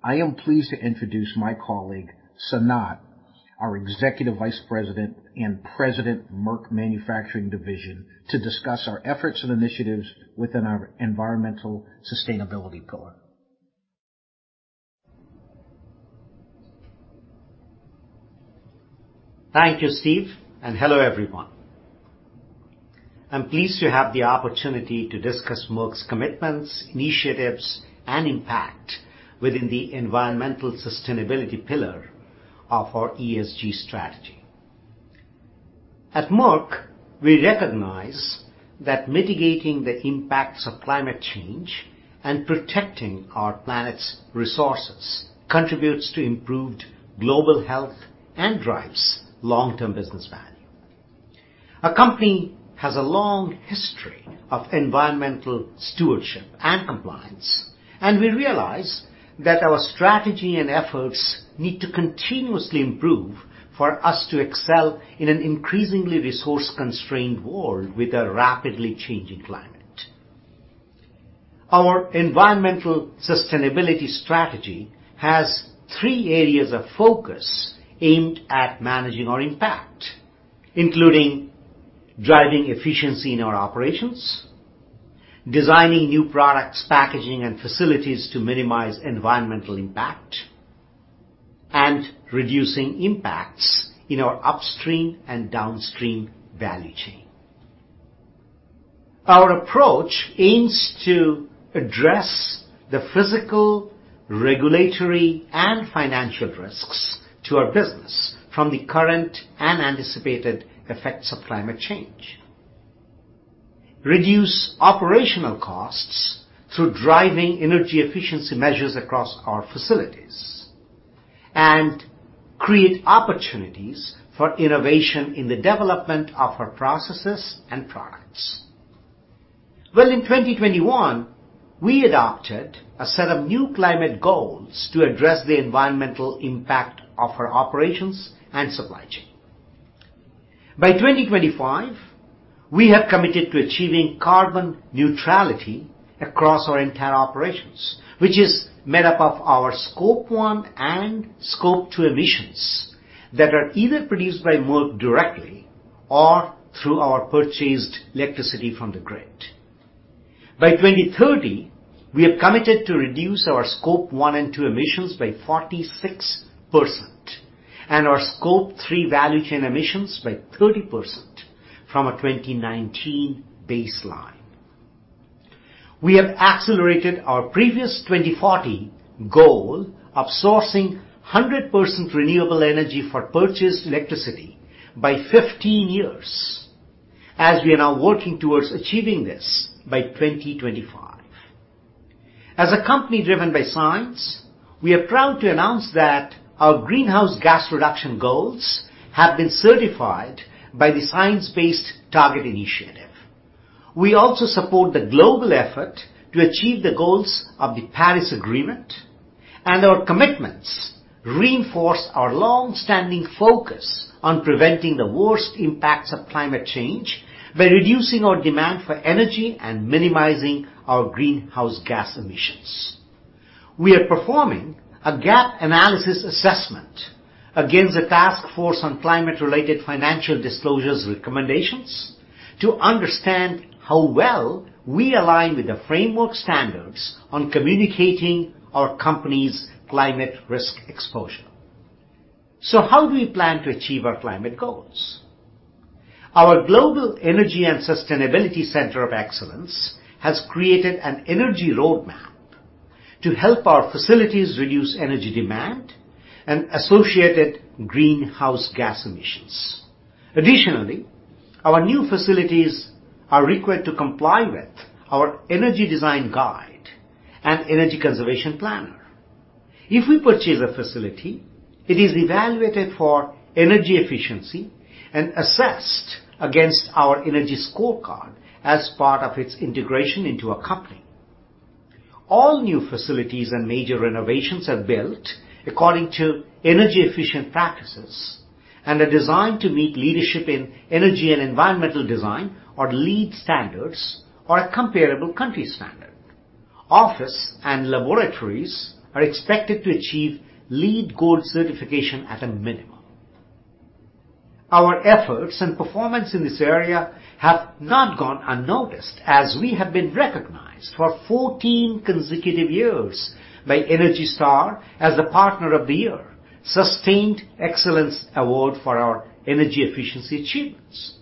I am pleased to introduce my colleague, Sanat, our Executive Vice President and President, Merck Manufacturing Division, to discuss our efforts and initiatives within our environmental sustainability pillar. Thank you, Steve, and hello, everyone. I'm pleased to have the opportunity to discuss Merck's commitments, initiatives, and impact within the environmental sustainability pillar of our ESG strategy. At Merck, we recognize that mitigating the impacts of climate change and protecting our planet's resources contributes to improved global health and drives long-term business value. Our company has a long history of environmental stewardship and compliance, and we realize that our strategy and efforts need to continuously improve for us to excel in an increasingly resource-constrained world with a rapidly changing climate. Our environmental sustainability strategy has three areas of focus aimed at managing our impact, including driving efficiency in our operations, designing new products, packaging, and facilities to minimize environmental impact, and reducing impacts in our upstream and downstream value chain. Our approach aims to address the physical, regulatory, and financial risks to our business from the current and anticipated effects of climate change, reduce operational costs through driving energy efficiency measures across our facilities, and create opportunities for innovation in the development of our processes and products. Well, in 2021, we adopted a set of new climate goals to address the environmental impact of our operations and supply chain. By 2025, we have committed to achieving carbon neutrality across our entire operations, which is made up of our Scope 1 and Scope 2 emissions that are either produced by Merck directly or through our purchased electricity from the grid. By 2030, we have committed to reduce our Scope 1 and 2 emissions by 46% and our Scope 3 value chain emissions by 30% from a 2019 baseline. We have accelerated our previous 2040 goal of sourcing 100% renewable energy for purchased electricity by 15 years, as we are now working towards achieving this by 2025. As a company driven by science, we are proud to announce that our greenhouse gas reduction goals have been certified by the Science Based Targets initiative. We also support the global effort to achieve the goals of the Paris Agreement, and our commitments reinforce our long-standing focus on preventing the worst impacts of climate change by reducing our demand for energy and minimizing our greenhouse gas emissions. We are performing a gap analysis assessment against the Task Force on Climate-related Financial Disclosures recommendations to understand how well we align with the framework standards on communicating our company's climate risk exposure. How do we plan to achieve our climate goals? Our Global Energy and Sustainability Center of Excellence has created an energy roadmap to help our facilities reduce energy demand and associated greenhouse gas emissions. Additionally, our new facilities are required to comply with our energy design guide and energy conservation plan. If we purchase a facility, it is evaluated for energy efficiency and assessed against our energy scorecard as part of its integration into our company. All new facilities and major renovations are built according to energy-efficient practices and are designed to meet Leadership in Energy and Environmental Design, or LEED standards, or a comparable country standard. Office and laboratories are expected to achieve LEED Gold certification at a minimum. Our efforts and performance in this area have not gone unnoticed as we have been recognized for 14 consecutive years by ENERGY STAR as a Partner of the Year Sustained Excellence Award for our energy efficiency achievements.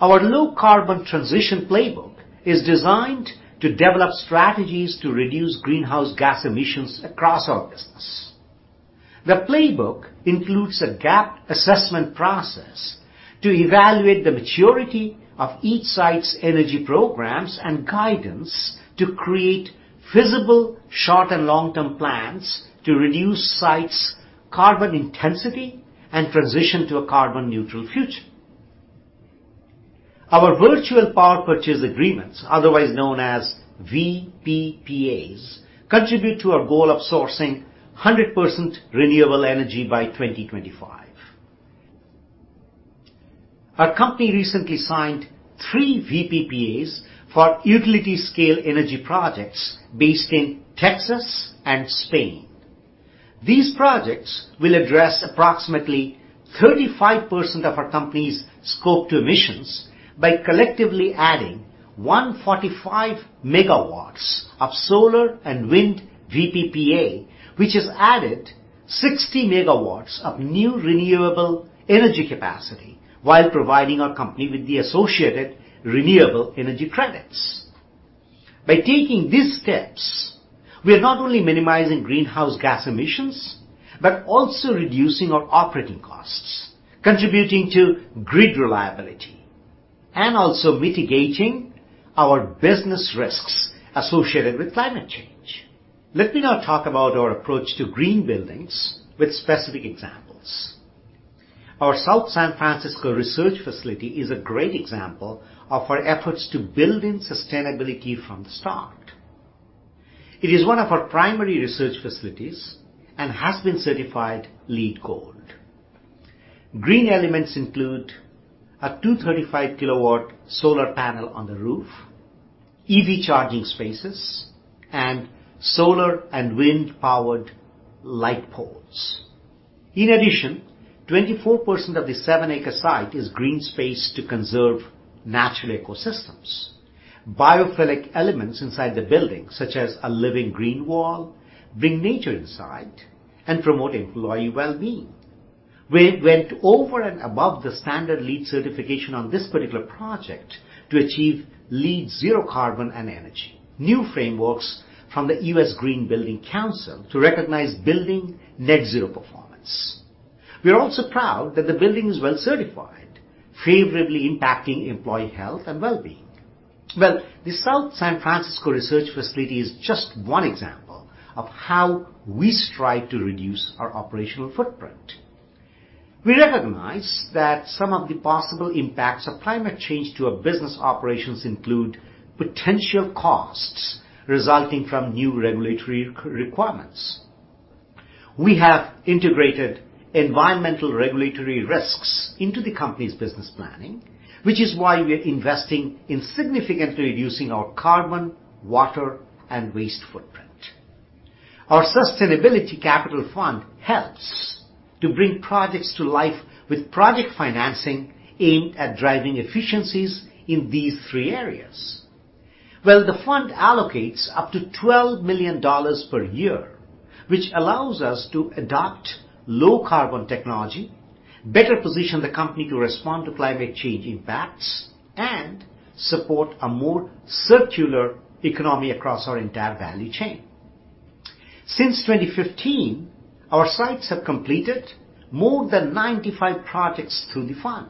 Our low carbon transition playbook is designed to develop strategies to reduce greenhouse gas emissions across our business. The playbook includes a gap assessment process to evaluate the maturity of each site's energy programs and guidance to create feasible short and long-term plans to reduce sites' carbon intensity and transition to a carbon neutral future. Our virtual power purchase agreements, otherwise known as VPPA, contribute to our goal of sourcing 100% renewable energy by 2025. Our company recently signed three VPPAs for utility scale energy projects based in Texas and Spain. These projects will address approximately 35% of our company's Scope 2 emissions by collectively adding 145 MW of solar and wind VPPA, which has added 60 MW of new renewable energy capacity while providing our company with the associated renewable energy credits. By taking these steps, we are not only minimizing greenhouse gas emissions, but also reducing our operating costs, contributing to grid reliability, and also mitigating our business risks associated with climate change. Let me now talk about our approach to green buildings with specific examples. Our South San Francisco research facility is a great example of our efforts to build in sustainability from the start. It is one of our primary research facilities and has been certified LEED Gold. Green elements include a 235-kilowatt solar panel on the roof, EV charging spaces, and solar and wind-powered light poles. In addition, 24% of the 7-acre site is green space to conserve natural ecosystems. Biophilic elements inside the building, such as a living green wall, bring nature inside and promote employee well-being. We went over and above the standard LEED certification on this particular project to achieve LEED Zero Carbon and Energy, new frameworks from the U.S. Green Building Council to recognize building net zero performance. We are also proud that the building is WELL certified, favorably impacting employee health and well-being. Well, the South San Francisco research facility is just one example of how we strive to reduce our operational footprint. We recognize that some of the possible impacts of climate change to our business operations include potential costs resulting from new regulatory requirements. We have integrated environmental regulatory risks into the company's business planning, which is why we are investing in significantly reducing our carbon, water, and waste footprint. Our sustainability capital fund helps to bring projects to life with project financing aimed at driving efficiencies in these three areas. Well, the fund allocates up to $12 million per year, which allows us to adopt low carbon technology, better position the company to respond to climate change impacts, and support a more circular economy across our entire value chain. Since 2015, our sites have completed more than 95 projects through the fund.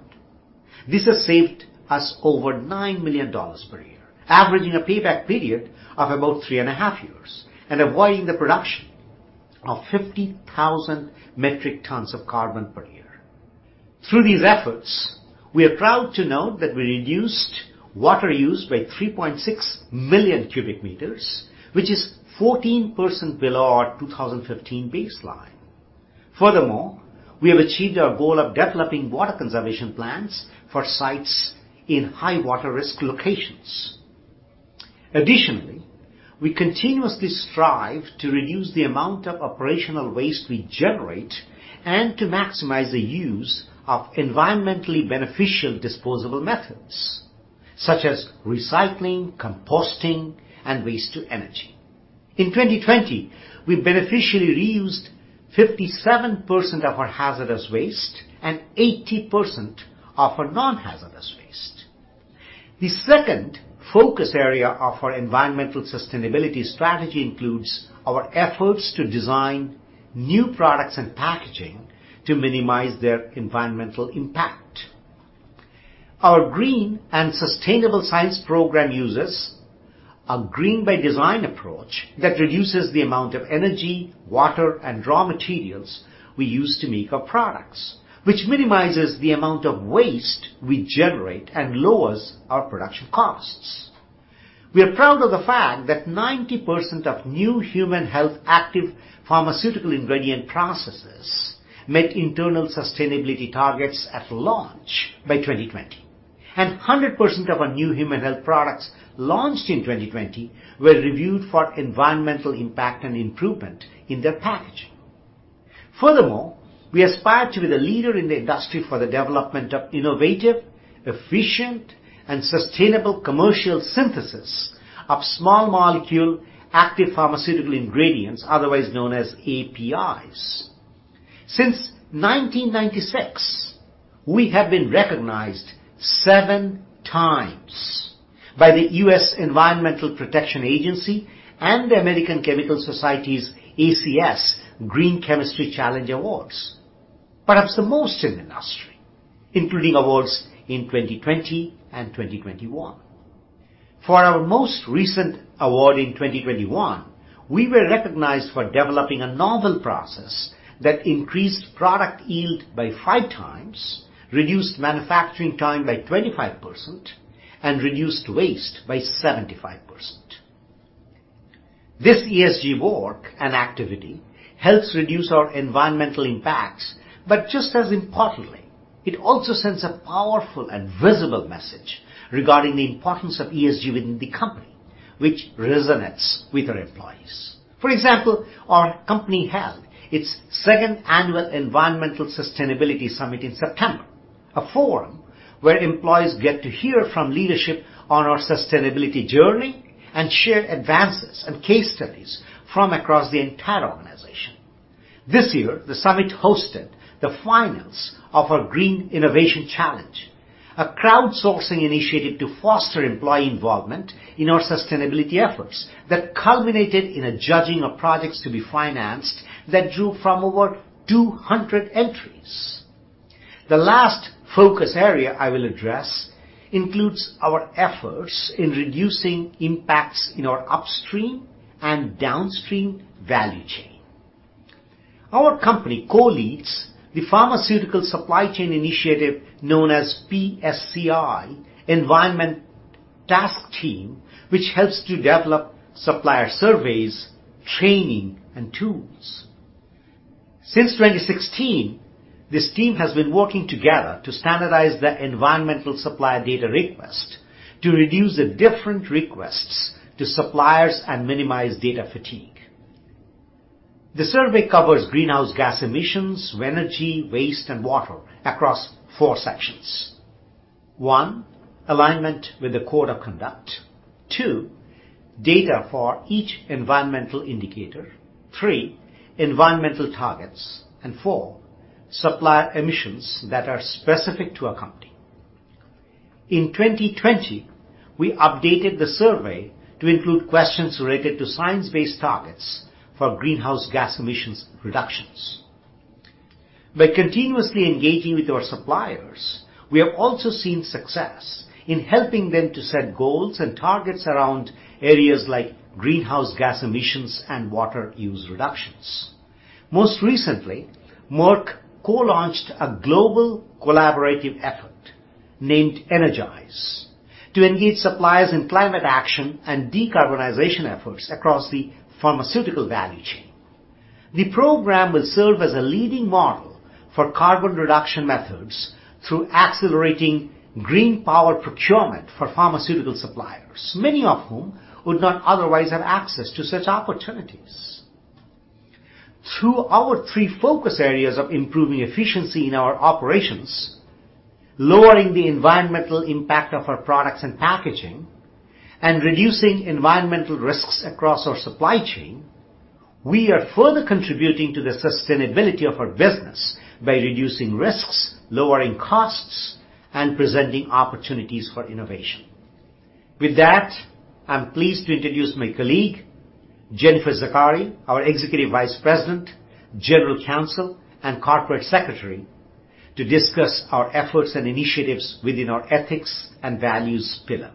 This has saved us over $9 million per year, averaging a payback period of about 3.5 years and avoiding the production of 50,000 metric tons of carbon per year. Through these efforts, we are proud to note that we reduced water use by 3.6 million cubic meters, which is 14% below our 2015 baseline. Furthermore, we have achieved our goal of developing water conservation plans for sites in high water risk locations. Additionally, we continuously strive to reduce the amount of operational waste we generate and to maximize the use of environmentally beneficial disposable methods such as recycling, composting, and waste to energy. In 2020, we beneficially reused 57% of our hazardous waste and 80% of our non-hazardous waste. The second focus area of our environmental sustainability strategy includes our efforts to design new products and packaging to minimize their environmental impact. Our green and sustainable science program uses a green by design approach that reduces the amount of energy, water, and raw materials we use to make our products, which minimizes the amount of waste we generate and lowers our production costs. We are proud of the fact that 90% of new human health active pharmaceutical ingredient processes met internal sustainability targets at launch by 2020, and 100% of our new human health products launched in 2020 were reviewed for environmental impact and improvement in their packaging. Furthermore, we aspire to be the leader in the industry for the development of innovative, efficient, and sustainable commercial synthesis of small molecule active pharmaceutical ingredients, otherwise known as APIs. Since 1996, we have been recognized 7 times by the U.S. Environmental Protection Agency and the American Chemical Society's ACS Green Chemistry Challenge Awards, perhaps the most in the industry, including awards in 2020 and 2021. For our most recent award in 2021, we were recognized for developing a novel process that increased product yield by 5 times, reduced manufacturing time by 25%, and reduced waste by 75%. This ESG work and activity helps reduce our environmental impacts, but just as importantly, it also sends a powerful and visible message regarding the importance of ESG within the company, which resonates with our employees. For example, our company held its second annual environmental sustainability summit in September, a forum where employees get to hear from leadership on our sustainability journey and share advances and case studies from across the entire organization. This year, the summit hosted the finals of our Green Innovation Challenge, a crowdsourcing initiative to foster employee involvement in our sustainability efforts that culminated in a judging of projects to be financed that drew from over 200 entries. The last focus area I will address includes our efforts in reducing impacts in our upstream and downstream value chain. Our company co-leads the Pharmaceutical Supply Chain Initiative known as PSCI Environment Task Team, which helps to develop supplier surveys, training, and tools. Since 2016, this team has been working together to standardize the environmental supplier data request to reduce the different requests to suppliers and minimize data fatigue. The survey covers greenhouse gas emissions, energy, waste, and water across four sections. One, alignment with the code of conduct. Two, data for each environmental indicator. Three, environmental targets. And four, supplier emissions that are specific to our company. In 2020, we updated the survey to include questions related to science-based targets for greenhouse gas emissions reductions. By continuously engaging with our suppliers, we have also seen success in helping them to set goals and targets around areas like greenhouse gas emissions and water use reductions. Most recently, Merck co-launched a global collaborative effort named Energize to engage suppliers in climate action and decarbonization efforts across the pharmaceutical value chain. The program will serve as a leading model for carbon reduction methods through accelerating green power procurement for pharmaceutical suppliers, many of whom would not otherwise have access to such opportunities. Through our three focus areas of improving efficiency in our operations, lowering the environmental impact of our products and packaging, and reducing environmental risks across our supply chain, we are further contributing to the sustainability of our business by reducing risks, lowering costs, and presenting opportunities for innovation. With that, I'm pleased to introduce my colleague, Jennifer Zachary, our Executive Vice President, General Counsel, and Corporate Secretary, to discuss our efforts and initiatives within our ethics and values pillar.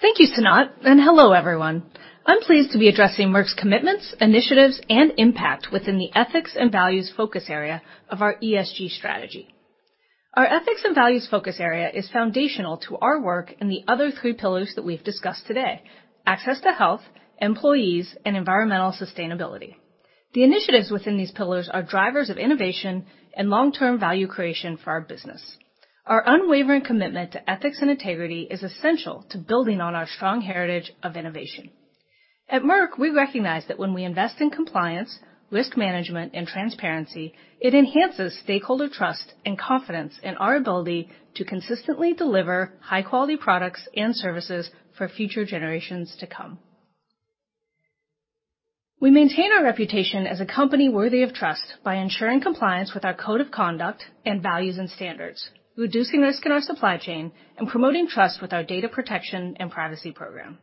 Thank you, Sanat, and hello, everyone. I'm pleased to be addressing Merck's commitments, initiatives, and impact within the ethics and values focus area of our ESG strategy. Our ethics and values focus area is foundational to our work in the other three pillars that we've discussed today: access to health, employees, and environmental sustainability. The initiatives within these pillars are drivers of innovation and long-term value creation for our business. Our unwavering commitment to ethics and integrity is essential to building on our strong heritage of innovation. At Merck, we recognize that when we invest in compliance, risk management, and transparency, it enhances stakeholder trust and confidence in our ability to consistently deliver high-quality products and services for future generations to come. We maintain our reputation as a company worthy of trust by ensuring compliance with our code of conduct and values and standards, reducing risk in our supply chain, and promoting trust with our data protection and privacy program.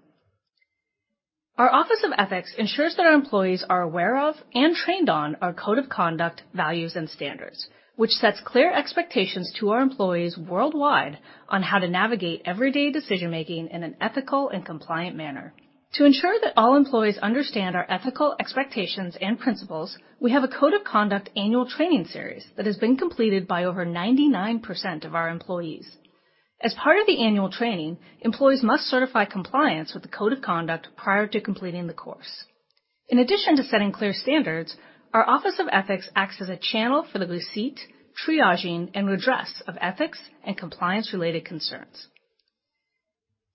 Our Office of Ethics ensures that our employees are aware of and trained on our code of conduct, values, and standards, which sets clear expectations to our employees worldwide on how to navigate everyday decision-making in an ethical and compliant manner. To ensure that all employees understand our ethical expectations and principles, we have a code of conduct annual training series that has been completed by over 99% of our employees. As part of the annual training, employees must certify compliance with the code of conduct prior to completing the course. In addition to setting clear standards, our Office of Ethics acts as a channel for the receipt, triaging, and redress of ethics and compliance-related concerns.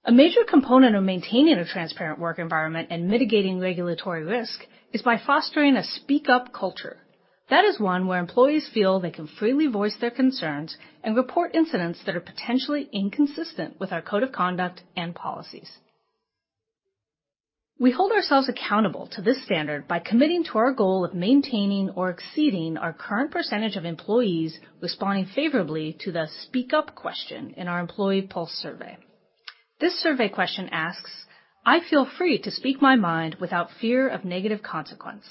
A major component of maintaining a transparent work environment and mitigating regulatory risk is by fostering a Speak-Up Culture. That is one where employees feel they can freely voice their concerns and report incidents that are potentially inconsistent with our code of conduct and policies. We hold ourselves accountable to this standard by committing to our goal of maintaining or exceeding our current percentage of employees responding favorably to the Speak-Up question in our employee pulse survey. This survey question asks, I feel free to speak my mind without fear of negative consequence.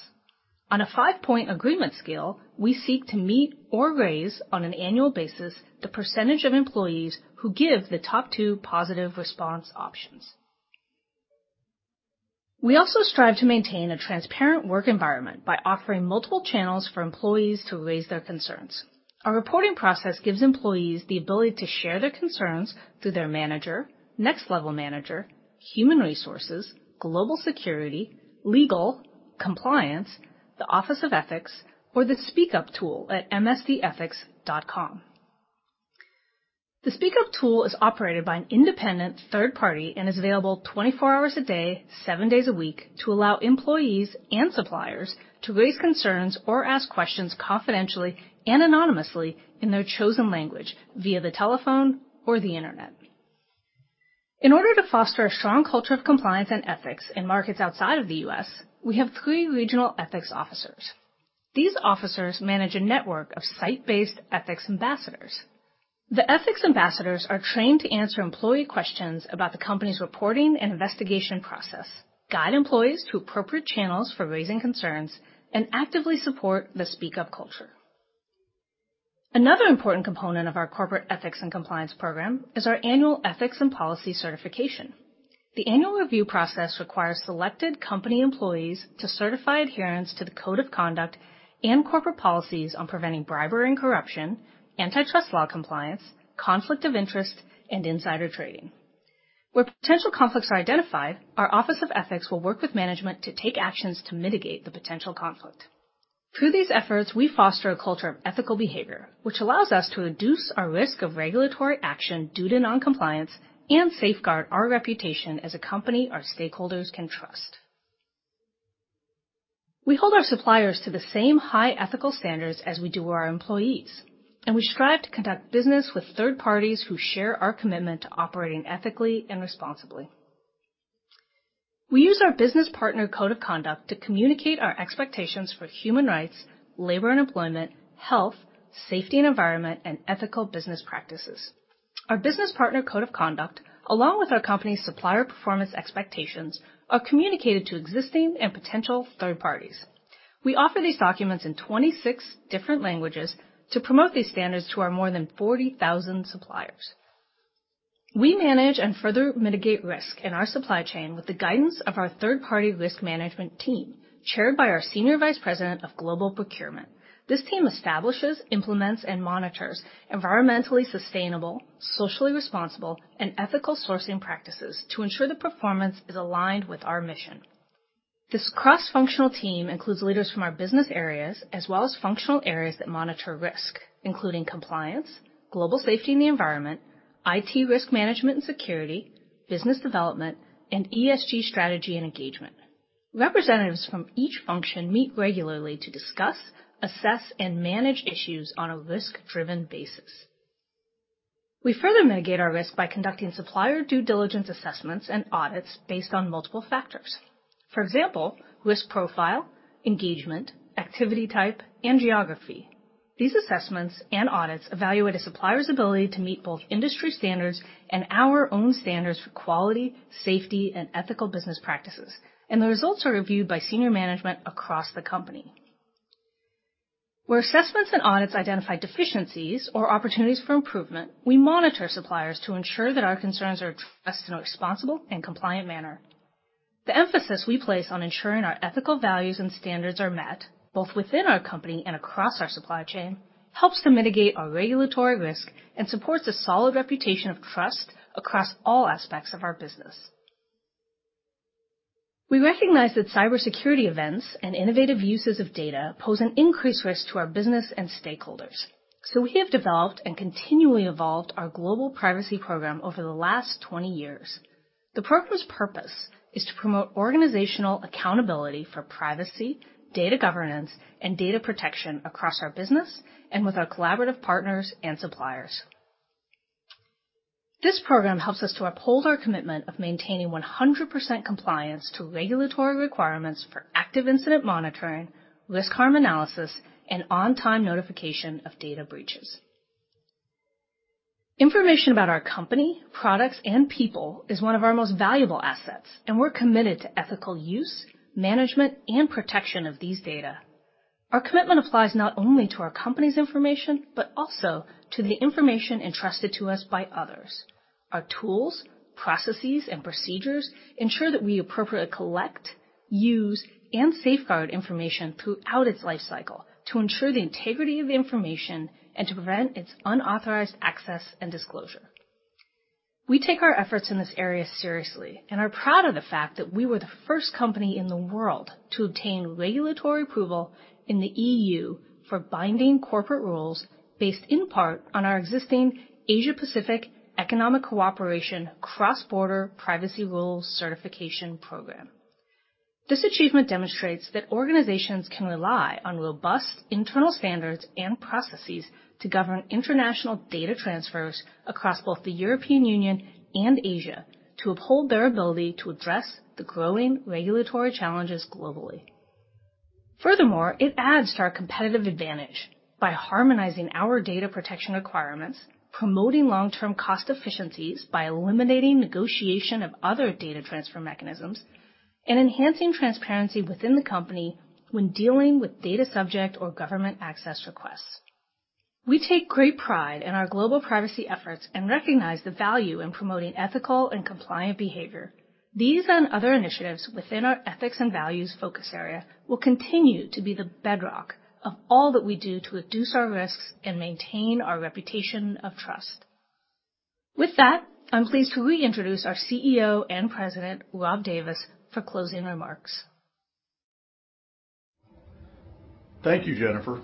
On a five-point agreement scale, we seek to meet or raise on an annual basis the percentage of employees who give the top two positive response options. We also strive to maintain a transparent work environment by offering multiple channels for employees to raise their concerns. Our reporting process gives employees the ability to share their concerns through their manager, next level manager, human resources, global security, legal, compliance, the Office of Ethics, or the Speak Up tool at msdethics.com. The Speak Up tool is operated by an independent third party and is available 24 hours a day, 7 days a week to allow employees and suppliers to raise concerns or ask questions confidentially and anonymously in their chosen language via the telephone or the Internet. In order to foster a strong culture of compliance and ethics in markets outside of the U.S., we have three regional ethics officers. These officers manage a network of site-based ethics ambassadors. The ethics ambassadors are trained to answer employee questions about the company's reporting and investigation process, guide employees to appropriate channels for raising concerns, and actively support the Speak-Up Culture. Another important component of our corporate ethics and compliance program is our annual ethics and policy certification. The annual review process requires selected company employees to certify adherence to the code of conduct and corporate policies on preventing bribery and corruption, antitrust law compliance, conflict of interest, and insider trading. Where potential conflicts are identified, our Office of Ethics will work with management to take actions to mitigate the potential conflict. Through these efforts, we foster a culture of ethical behavior, which allows us to reduce our risk of regulatory action due to non-compliance and safeguard our reputation as a company our stakeholders can trust. We hold our suppliers to the same high ethical standards as we do our employees, and we strive to conduct business with third parties who share our commitment to operating ethically and responsibly. We use our business partner code of conduct to communicate our expectations for human rights, labor and employment, health, safety and environment, and ethical business practices. Our business partner code of conduct, along with our company's supplier performance expectations, are communicated to existing and potential third parties. We offer these documents in 26 different languages to promote these standards to our more than 40,000 suppliers. We manage and further mitigate risk in our supply chain with the guidance of our third-party risk management team, chaired by our Senior Vice President of Global Procurement. This team establishes, implements, and monitors environmentally sustainable, socially responsible, and ethical sourcing practices to ensure the performance is aligned with our mission. This cross-functional team includes leaders from our business areas as well as functional areas that monitor risk, including compliance, global safety and the environment, IT risk management and security, business development, and ESG strategy and engagement. Representatives from each function meet regularly to discuss, assess, and manage issues on a risk-driven basis. We further mitigate our risk by conducting supplier due diligence assessments and audits based on multiple factors, for example, risk profile, engagement, activity type, and geography. These assessments and audits evaluate a supplier's ability to meet both industry standards and our own standards for quality, safety, and ethical business practices, and the results are reviewed by senior management across the company. Where assessments and audits identify deficiencies or opportunities for improvement, we monitor suppliers to ensure that our concerns are addressed in a responsible and compliant manner. The emphasis we place on ensuring our ethical values and standards are met, both within our company and across our supply chain, helps to mitigate our regulatory risk and supports a solid reputation of trust across all aspects of our business. We recognize that cybersecurity events and innovative uses of data pose an increased risk to our business and stakeholders. We have developed and continually evolved our global privacy program over the last 20 years. The program's purpose is to promote organizational accountability for privacy, data governance, and data protection across our business and with our collaborative partners and suppliers. This program helps us to uphold our commitment of maintaining 100% compliance to regulatory requirements for active incident monitoring, risk harm analysis, and on-time notification of data breaches. Information about our company, products, and people is one of our most valuable assets, and we're committed to ethical use, management, and protection of these data. Our commitment applies not only to our company's information, but also to the information entrusted to us by others. Our tools, processes, and procedures ensure that we appropriately collect, use, and safeguard information throughout its lifecycle to ensure the integrity of the information and to prevent its unauthorized access and disclosure. We take our efforts in this area seriously and are proud of the fact that we were the first company in the world to obtain regulatory approval in the EU for binding corporate rules based in part on our existing Asia-Pacific Economic Cooperation Cross-Border Privacy Rules Certification program. This achievement demonstrates that organizations can rely on robust internal standards and processes to govern international data transfers across both the European Union and Asia to uphold their ability to address the growing regulatory challenges globally. Furthermore, it adds to our competitive advantage by harmonizing our data protection requirements, promoting long-term cost efficiencies by eliminating negotiation of other data transfer mechanisms, and enhancing transparency within the company when dealing with data subject or government access requests. We take great pride in our global privacy efforts and recognize the value in promoting ethical and compliant behavior. These and other initiatives within our ethics and values focus area will continue to be the bedrock of all that we do to reduce our risks and maintain our reputation of trust. With that, I'm pleased to re-introduce our CEO and President, Rob Davis, for closing remarks. Thank you, Jennifer.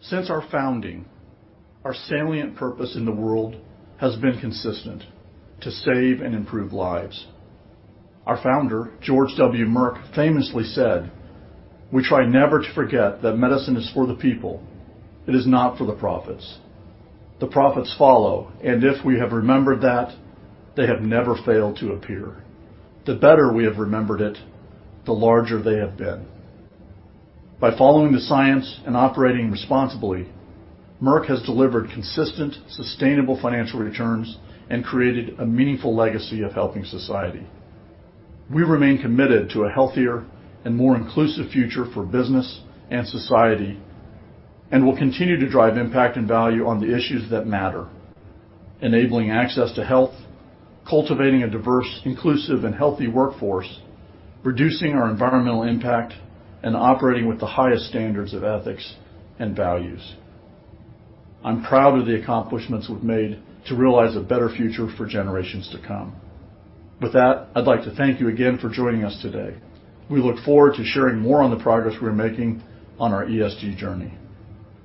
Since our founding, our salient purpose in the world has been consistent, to save and improve lives. Our founder, George W. Merck, famously said, We try never to forget that medicine is for the people. It is not for the profits. The profits follow, and if we have remembered that, they have never failed to appear. The better we have remembered it, the larger they have been. By following the science and operating responsibly, Merck has delivered consistent, sustainable financial returns and created a meaningful legacy of helping society. We remain committed to a healthier and more inclusive future for business and society, and will continue to drive impact and value on the issues that matter, enabling access to health, cultivating a diverse, inclusive, and healthy workforce, reducing our environmental impact, and operating with the highest standards of ethics and values. I'm proud of the accomplishments we've made to realize a better future for generations to come. With that, I'd like to thank you again for joining us today. We look forward to sharing more on the progress we're making on our ESG journey.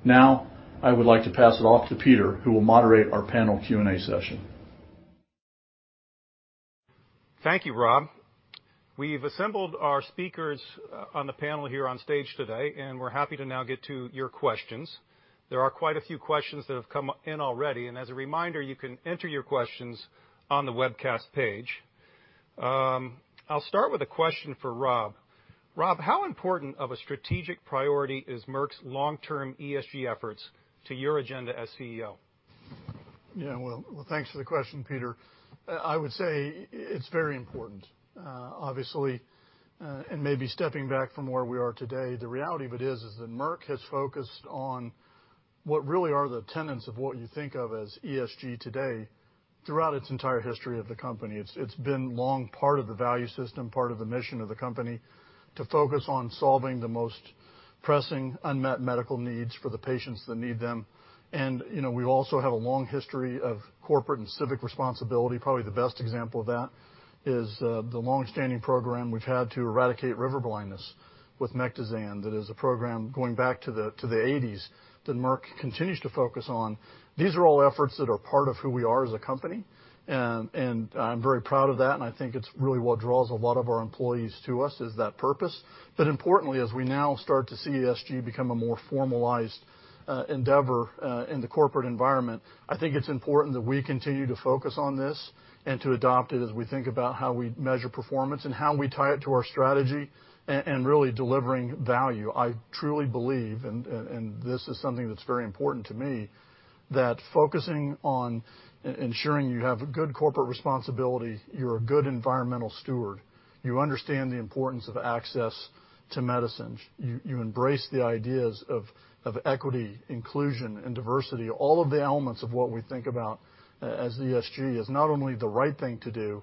Now, I would like to pass it off to Peter, who will moderate our panel Q&A session. Thank you, Rob. We've assembled our speakers on the panel here on stage today, and we're happy to now get to your questions. There are quite a few questions that have come in already, and as a reminder, you can enter your questions on the webcast page. I'll start with a question for Rob. Rob, how important of a strategic priority is Merck's long-term ESG efforts to your agenda as CEO? Well, thanks for the question, Peter. I would say it's very important. Obviously, maybe stepping back from where we are today, the reality of it is that Merck has focused on what really are the tenets of what you think of as ESG today throughout its entire history of the company. It's been long part of the value system, part of the mission of the company to focus on solving the most pressing unmet medical needs for the patients that need them. You know, we also have a long history of corporate and civic responsibility. Probably the best example of that is the long-standing program we've had to eradicate river blindness with Mectizan. That is a program going back to the eighties that Merck continues to focus on. These are all efforts that are part of who we are as a company, and I'm very proud of that, and I think it's really what draws a lot of our employees to us, is that purpose. Importantly, as we now start to see ESG become a more formalized endeavor in the corporate environment, I think it's important that we continue to focus on this and to adopt it as we think about how we measure performance and how we tie it to our strategy and really delivering value. I truly believe, and this is something that's very important to me, that focusing on ensuring you have good corporate responsibility, you're a good environmental steward, you understand the importance of access to medicines, you embrace the ideas of equity, inclusion, and diversity. All of the elements of what we think about as ESG is not only the right thing to do,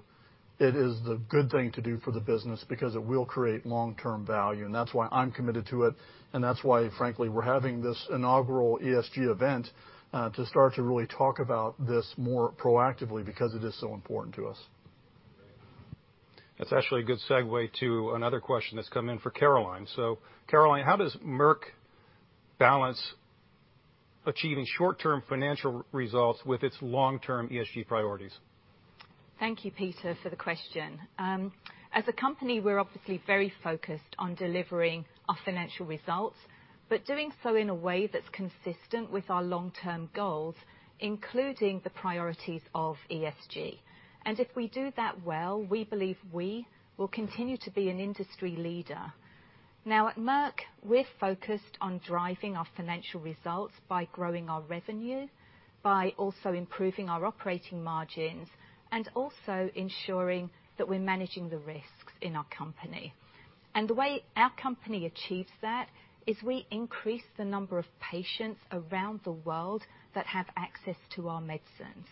it is the good thing to do for the business because it will create long-term value, and that's why I'm committed to it, and that's why, frankly, we're having this inaugural ESG event to start to really talk about this more proactively because it is so important to us. That's actually a good segue to another question that's come in for Caroline. Caroline, how does Merck balance achieving short-term financial results with its long-term ESG priorities? Thank you, Peter, for the question. As a company, we're obviously very focused on delivering our financial results, but doing so in a way that's consistent with our long-term goals, including the priorities of ESG. If we do that well, we believe we will continue to be an industry leader. Now, at Merck, we're focused on driving our financial results by growing our revenue, by also improving our operating margins, and also ensuring that we're managing the risks in our company. The way our company achieves that is we increase the number of patients around the world that have access to our medicines.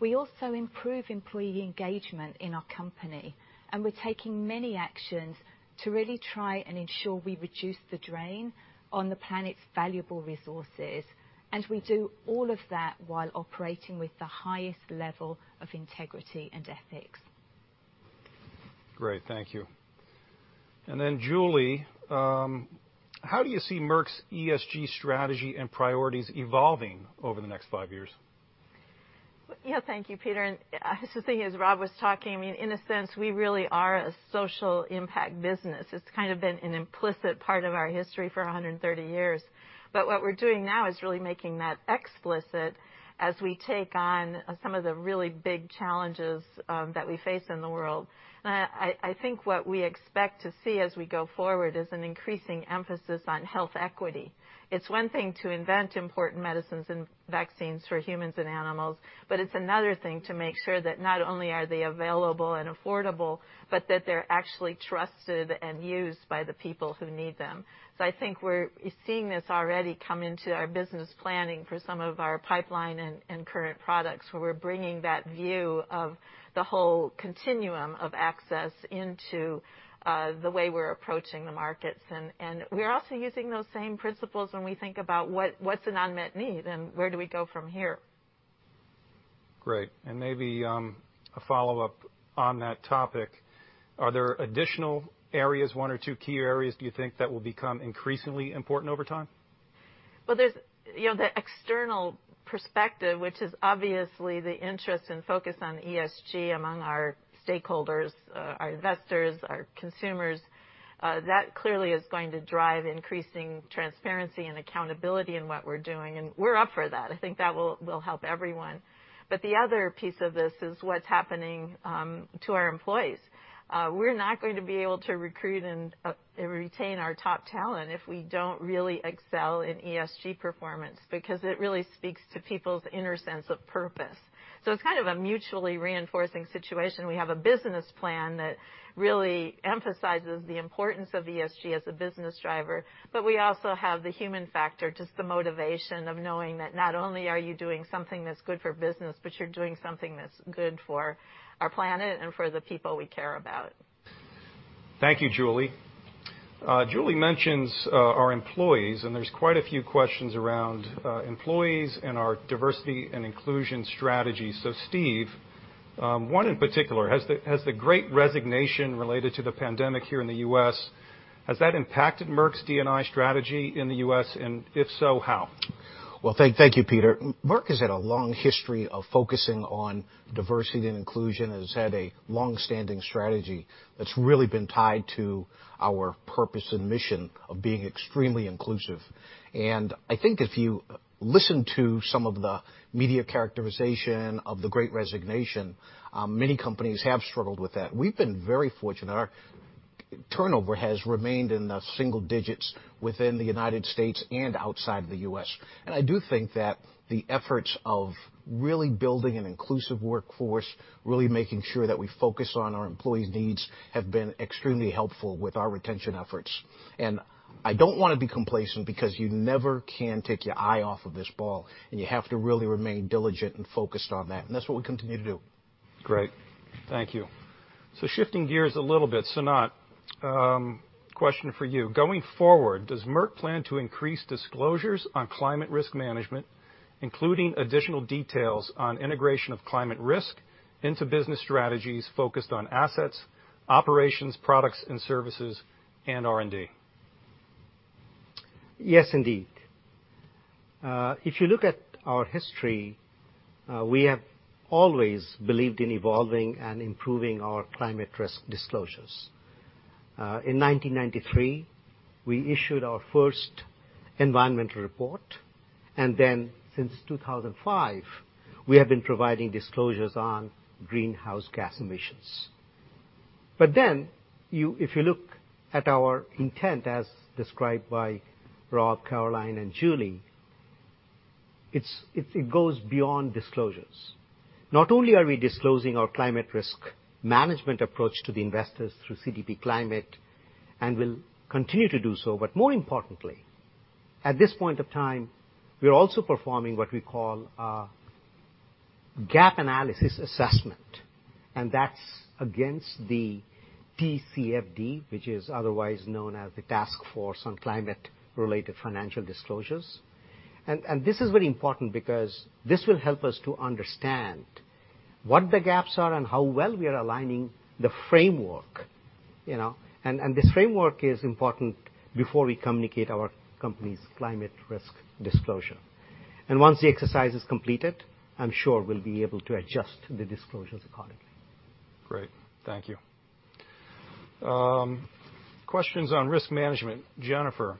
We also improve employee engagement in our company, and we're taking many actions to really try and ensure we reduce the drain on the planet's valuable resources, and we do all of that while operating with the highest level of integrity and ethics. Great. Thank you. Julie, how do you see Merck's ESG strategy and priorities evolving over the next five years? Yeah. Thank you, Peter. The thing is, Rob was talking. I mean, in a sense, we really are a social impact business. It's kind of been an implicit part of our history for 130 years. But what we're doing now is really making that explicit as we take on some of the really big challenges that we face in the world. I think what we expect to see as we go forward is an increasing emphasis on health equity. It's one thing to invent important medicines and vaccines for humans and animals, but it's another thing to make sure that not only are they available and affordable, but that they're actually trusted and used by the people who need them. I think we're seeing this already come into our business planning for some of our pipeline and current products, where we're bringing that view of the whole continuum of access into the way we're approaching the markets. We're also using those same principles when we think about what's an unmet need, and where do we go from here? Great. Maybe a follow-up on that topic. Are there additional areas, one or two key areas, do you think that will become increasingly important over time? Well, there's, you know, the external perspective, which is obviously the interest and focus on ESG among our stakeholders, our investors, our consumers. That clearly is going to drive increasing transparency and accountability in what we're doing, and we're up for that. I think that will help everyone. The other piece of this is what's happening to our employees. We're not going to be able to recruit and retain our top talent if we don't really excel in ESG performance, because it really speaks to people's inner sense of purpose. It's kind of a mutually reinforcing situation. We have a business plan that really emphasizes the importance of ESG as a business driver, but we also have the human factor, just the motivation of knowing that not only are you doing something that's good for business, but you're doing something that's good for our planet and for the people we care about. Thank you, Julie. Julie mentions our employees, and there's quite a few questions around employees and our diversity and inclusion strategy. Steve, one in particular, has the great resignation related to the pandemic here in the U.S., has that impacted Merck's D&I strategy in the U.S.? And if so, how? Well, thank you, Peter. Merck has had a long history of focusing on diversity and inclusion and has had a long-standing strategy that's really been tied to our purpose and mission of being extremely inclusive. I think if you listen to some of the media characterization of the great resignation, many companies have struggled with that. We've been very fortunate. Our turnover has remained in the single digits within the United States and outside the U.S. I do think that the efforts of really building an inclusive workforce, really making sure that we focus on our employees' needs, have been extremely helpful with our retention efforts. I don't wanna be complacent because you never can take your eye off of this ball, and you have to really remain diligent and focused on that. That's what we continue to do. Great. Thank you. Shifting gears a little bit, Sanat, question for you. Going forward, does Merck plan to increase disclosures on climate risk management, including additional details on integration of climate risk into business strategies focused on assets, operations, products, and services, and R&D? Yes, indeed. If you look at our history, we have always believed in evolving and improving our climate risk disclosures. In 1993, we issued our first environmental report, and then since 2005, we have been providing disclosures on greenhouse gas emissions. If you look at our intent as described by Rob, Caroline, and Julie, it goes beyond disclosures. Not only are we disclosing our climate risk management approach to the investors through CDP climate, and we'll continue to do so, but more importantly, at this point of time, we're also performing what we call a gap analysis assessment, and that's against the TCFD, which is otherwise known as the Task Force on Climate-related Financial Disclosures. This is very important because this will help us to understand what the gaps are and how well we are aligning the framework, you know. This framework is important before we communicate our company's climate risk disclosure. Once the exercise is completed, I'm sure we'll be able to adjust the disclosures accordingly. Great. Thank you. Questions on risk management. Jennifer,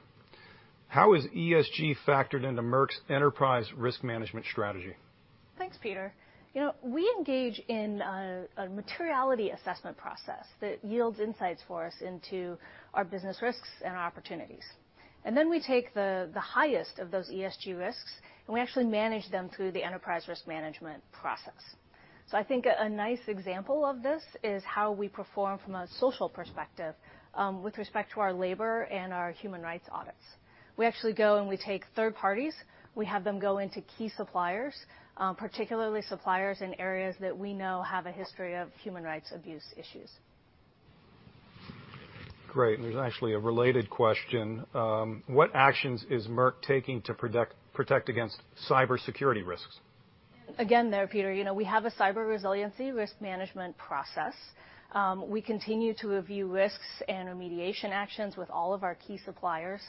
how is ESG factored into Merck's enterprise risk management strategy? Thanks, Peter. You know, we engage in a materiality assessment process that yields insights for us into our business risks and opportunities. Then we take the highest of those ESG risks, and we actually manage them through the enterprise risk management process. I think a nice example of this is how we perform from a social perspective with respect to our labor and our human rights audits. We actually go and we take third parties. We have them go into key suppliers, particularly suppliers in areas that we know have a history of human rights abuse issues. Great. There's actually a related question. What actions is Merck taking to protect against cybersecurity risks? Again there, Peter, you know, we have a cyber resiliency risk management process. We continue to review risks and remediation actions with all of our key suppliers.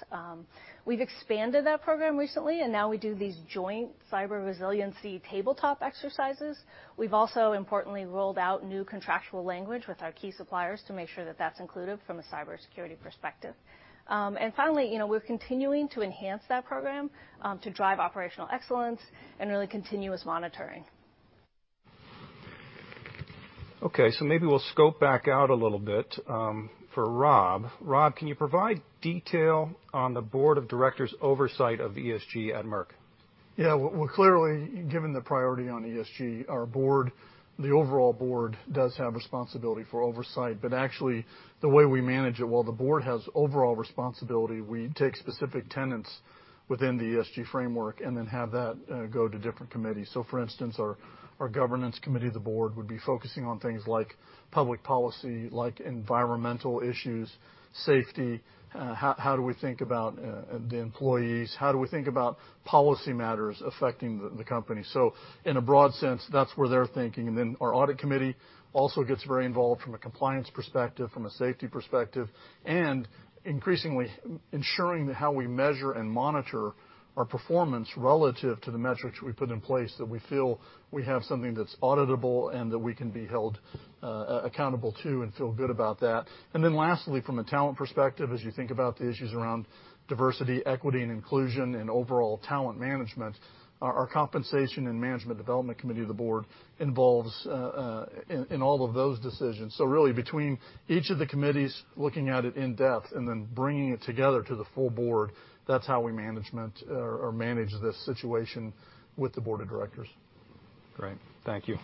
We've expanded that program recently, and now we do these joint cyber resiliency tabletop exercises. We've also importantly rolled out new contractual language with our key suppliers to make sure that that's included from a cybersecurity perspective. Finally, you know, we're continuing to enhance that program to drive operational excellence and really continuous monitoring. Okay, maybe we'll scope back out a little bit for Rob. Rob, can you provide detail on the board of directors' oversight of ESG at Merck? Yeah. Well, clearly, given the priority on ESG, our board, the overall board does have responsibility for oversight. Actually, the way we manage it, while the board has overall responsibility, we take specific tenets within the ESG framework, and then have that go to different committees. For instance, our Governance Committee of the board would be focusing on things like public policy, like environmental issues, safety, how do we think about the employees, how do we think about policy matters affecting the company. In a broad sense, that's where they're thinking. Our Audit Committee also gets very involved from a compliance perspective, from a safety perspective, and increasingly ensuring that how we measure and monitor our performance relative to the metrics we put in place, that we feel we have something that's auditable and that we can be held accountable to and feel good about that. Lastly, from a talent perspective, as you think about the issues around diversity, equity, and inclusion and overall talent management, our Compensation and Management Development Committee of the board involves in all of those decisions. Really between each of the committees looking at it in depth and then bringing it together to the full board, that's how we manage this situation with the Board of Directors. Great. Thank you.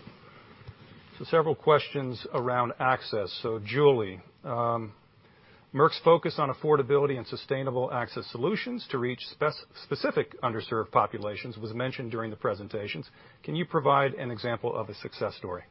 Several questions around access. Julie, Merck's focus on affordability and sustainable access solutions to reach specific underserved populations was mentioned during the presentations. Can you provide an example of a success story?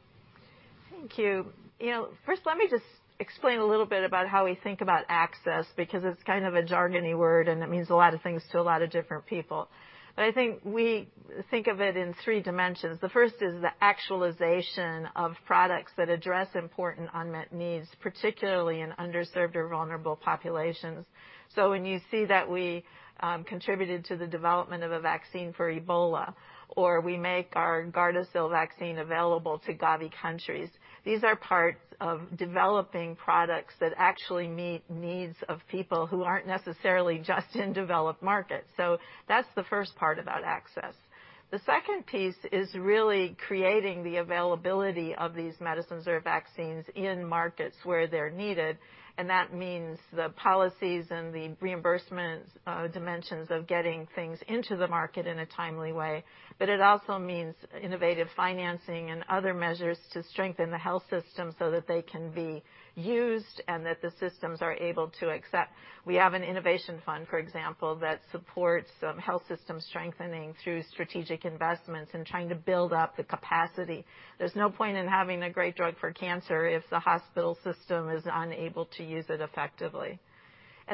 Thank you. You know, first, let me just explain a little bit about how we think about access because it's kind of a jargony word, and it means a lot of things to a lot of different people. I think we think of it in three dimensions. The first is the actualization of products that address important unmet needs, particularly in underserved or vulnerable populations. When you see that we contributed to the development of a vaccine for Ebola, or we make our Gardasil vaccine available to Gavi countries, these are parts of developing products that actually meet needs of people who aren't necessarily just in developed markets. That's the first part about access. The second piece is really creating the availability of these medicines or vaccines in markets where they're needed, and that means the policies and the reimbursement dimensions of getting things into the market in a timely way. It also means innovative financing and other measures to strengthen the health system so that they can be used and that the systems are able to accept. We have an innovation fund, for example, that supports health system strengthening through strategic investments and trying to build up the capacity. There's no point in having a great drug for cancer if the hospital system is unable to use it effectively.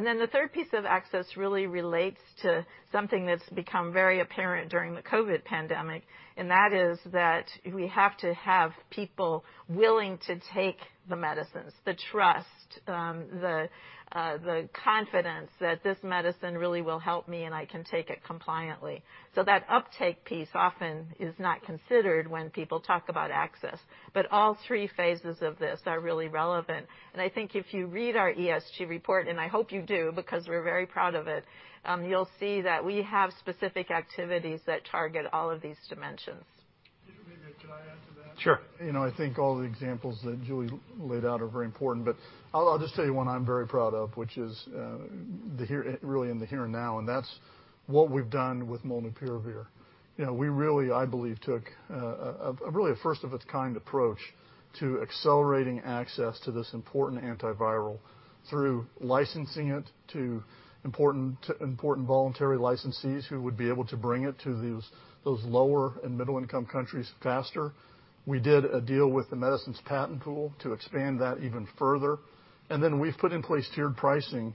Then the third piece of access really relates to something that's become very apparent during the COVID pandemic, and that is that we have to have people willing to take the medicines, the trust, the confidence that this medicine really will help me, and I can take it compliantly. That uptake piece often is not considered when people talk about access, but all three phases of this are really relevant. I think if you read our ESG report, and I hope you do because we're very proud of it, you'll see that we have specific activities that target all of these dimensions. Peter, maybe could I add to that? Sure. You know, I think all the examples that Julie laid out are very important, but I'll just tell you one I'm very proud of, which is really in the here and now, and that's what we've done with molnupiravir. You know, we really, I believe, took a really first of its kind approach to accelerating access to this important antiviral through licensing it to important voluntary licensees who would be able to bring it to those lower and middle-income countries faster. We did a deal with the Medicines Patent Pool to expand that even further. Then we've put in place tiered pricing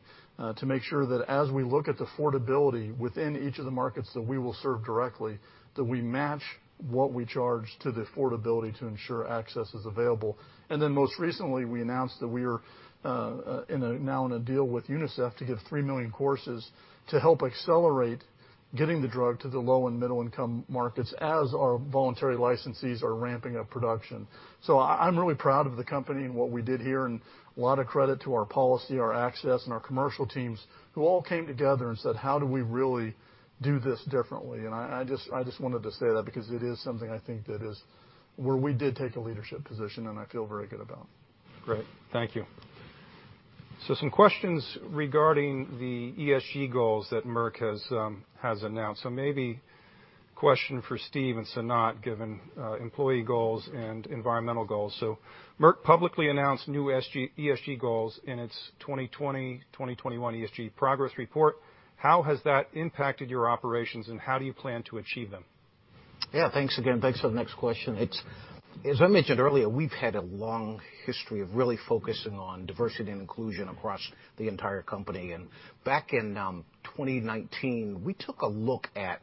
to make sure that as we look at the affordability within each of the markets that we will serve directly, that we match what we charge to the affordability to ensure access is available. Most recently, we announced that we are now in a deal with UNICEF to give 3 million courses to help accelerate getting the drug to the low and middle-income markets as our voluntary licensees are ramping up production. I'm really proud of the company and what we did here, and a lot of credit to our policy, our access, and our commercial teams who all came together and said, How do we really do this differently? I just wanted to say that because it is something I think that is where we did take a leadership position, and I feel very good about. Great. Thank you. Some questions regarding the ESG goals that Merck has announced. Maybe question for Steve and Sanat, given employee goals and environmental goals. Merck publicly announced new ESG goals in its 2020, 2021 ESG progress report. How has that impacted your operations, and how do you plan to achieve them? Yeah, thanks again. Thanks for the next question. It's as I mentioned earlier, we've had a long history of really focusing on diversity and inclusion across the entire company. Back in 2019, we took a look at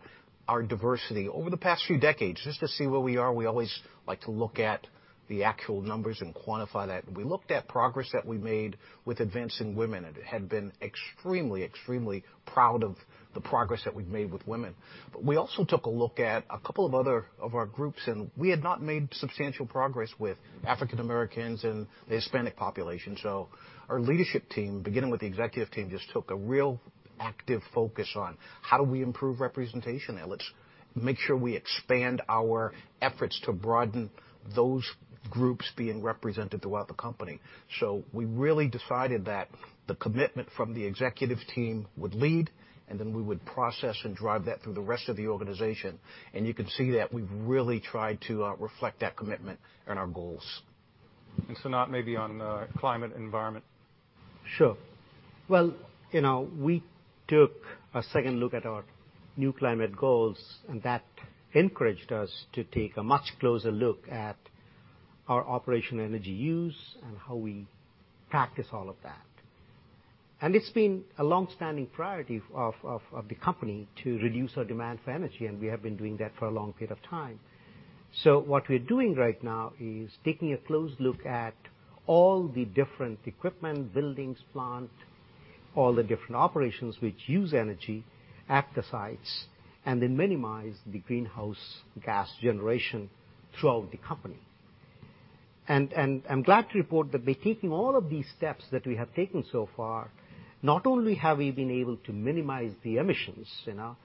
our diversity over the past few decades just to see where we are. We always like to look at the actual numbers and quantify that. We looked at progress that we made with advancing women and had been extremely proud of the progress that we've made with women. We also took a look at a couple of other of our groups, and we had not made substantial progress with African Americans and the Hispanic population. Our leadership team, beginning with the executive team, just took a real active focus on how do we improve representation there. Let's make sure we expand our efforts to broaden those groups being represented throughout the company. We really decided that the commitment from the executive team would lead, and then we would process and drive that through the rest of the organization. You can see that we've really tried to reflect that commitment in our goals. Sanat, maybe on climate environment. Sure. Well, you know, we took a second look at our new climate goals, and that encouraged us to take a much closer look at our operational energy use and how we practice all of that. It's been a long-standing priority of the company to reduce our demand for energy, and we have been doing that for a long period of time. What we're doing right now is taking a close look at all the different equipment, buildings, plant, all the different operations which use energy at the sites, and then minimize the greenhouse gas generation throughout the company. I'm glad to report that by taking all of these steps that we have taken so far, not only have we been able to minimize the emissions, you know,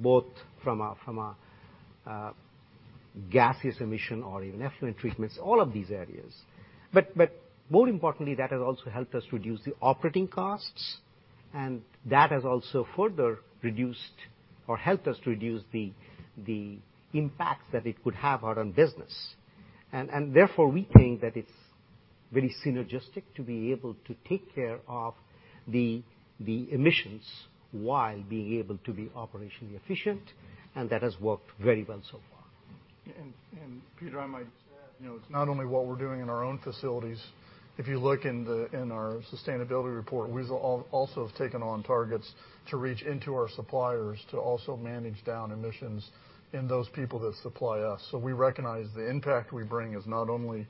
both from a gaseous emission or even effluent treatments, all of these areas. More importantly, that has also helped us reduce the operating costs, and that has also further reduced or helped us reduce the impacts that it could have on our own business. Therefore, we think that it's very synergistic to be able to take care of the emissions while being able to be operationally efficient, and that has worked very well so far. Peter, I might add, you know, it's not only what we're doing in our own facilities. If you look in our sustainability report, we've also have taken on targets to reach into our suppliers to also manage down emissions in those people that supply us. We recognize the impact we bring is not only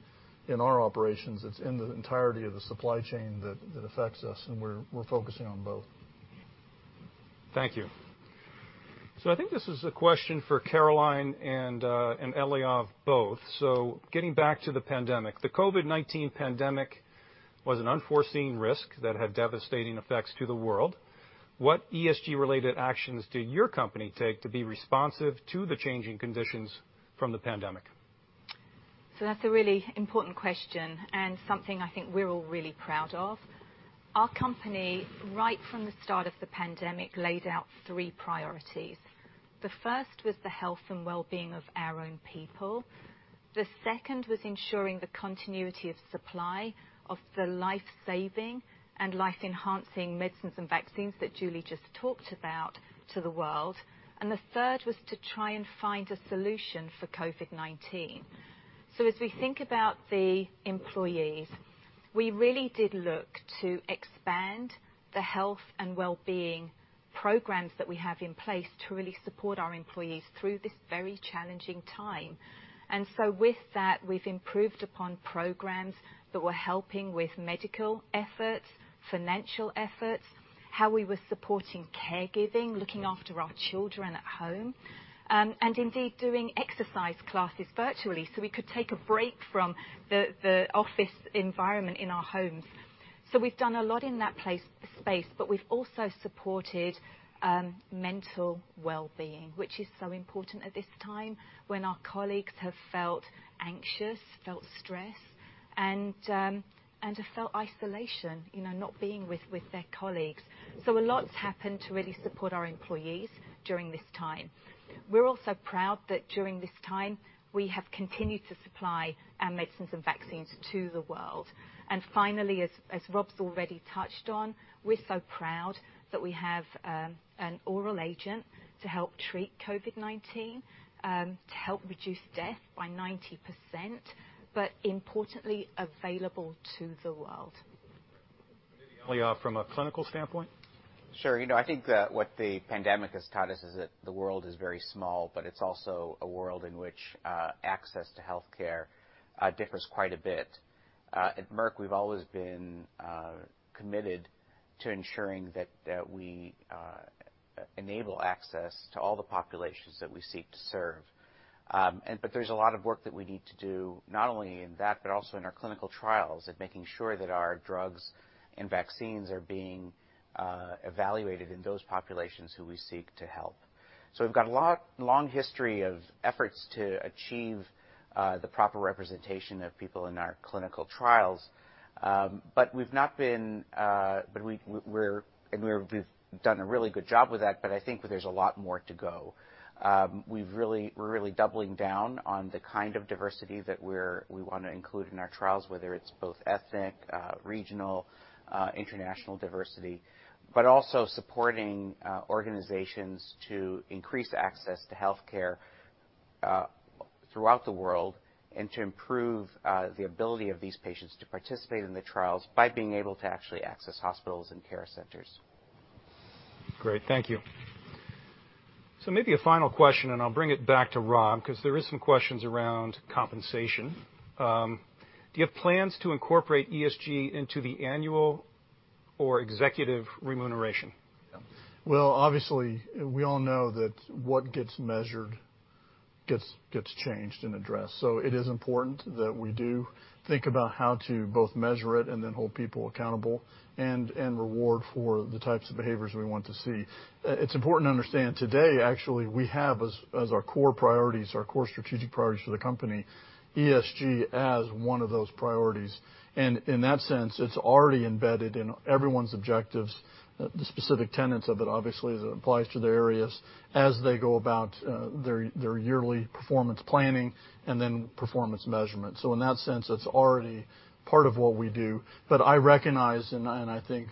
in our operations, it's in the entirety of the supply chain that affects us, and we're focusing on both. Thank you. I think this is a question for Caroline and Eliav both. Getting back to the pandemic, the COVID-19 pandemic was an unforeseen risk that had devastating effects to the world. What ESG-related actions did your company take to be responsive to the changing conditions from the pandemic? That's a really important question, and something I think we're all really proud of. Our company, right from the start of the pandemic, laid out three priorities. The first was the health and well-being of our own people. The second was ensuring the continuity of supply of the life-saving and life-enhancing medicines and vaccines that Julie just talked about to the world. The third was to try and find a solution for COVID-19. As we think about the employees, we really did look to expand the health and well-being programs that we have in place to really support our employees through this very challenging time. With that, we've improved upon programs that were helping with medical efforts, financial efforts, how we were supporting caregiving, looking after our children at home, and indeed doing exercise classes virtually, so we could take a break from the office environment in our homes. We've done a lot in that space, but we've also supported mental well-being, which is so important at this time when our colleagues have felt anxious, felt stress, and have felt isolation, you know, not being with their colleagues. A lot's happened to really support our employees during this time. We're also proud that during this time, we have continued to supply our medicines and vaccines to the world. Finally, as Rob's already touched on, we're so proud that we have an oral agent to help treat COVID-19, to help reduce death by 90%, but importantly, available to the world. Maybe, Eliav, from a clinical standpoint? Sure. You know, I think that what the pandemic has taught us is that the world is very small, but it's also a world in which access to healthcare differs quite a bit. At Merck, we've always been committed to ensuring that we enable access to all the populations that we seek to serve. There's a lot of work that we need to do, not only in that, but also in our clinical trials at making sure that our drugs and vaccines are being evaluated in those populations who we seek to help. We've got a long history of efforts to achieve the proper representation of people in our clinical trials, but we've done a really good job with that, but I think that there's a lot more to go. We're really doubling down on the kind of diversity that we wanna include in our trials, whether it's both ethnic, regional, international diversity, but also supporting organizations to increase access to healthcare throughout the world, and to improve the ability of these patients to participate in the trials by being able to actually access hospitals and care centers. Great. Thank you. Maybe a final question, and I'll bring it back to Rob, 'cause there is some questions around compensation. Do you have plans to incorporate ESG into the annual or executive remuneration? Well, obviously, we all know that what gets measured gets changed and addressed. It is important that we do think about how to both measure it and then hold people accountable and reward for the types of behaviors we want to see. It's important to understand today, actually, we have as our core priorities, our core strategic priorities for the company, ESG as one of those priorities. In that sense, it's already embedded in everyone's objectives, the specific tenets of it, obviously, as it applies to their areas as they go about their yearly performance planning and then performance measurement. In that sense, it's already part of what we do. I recognize and I think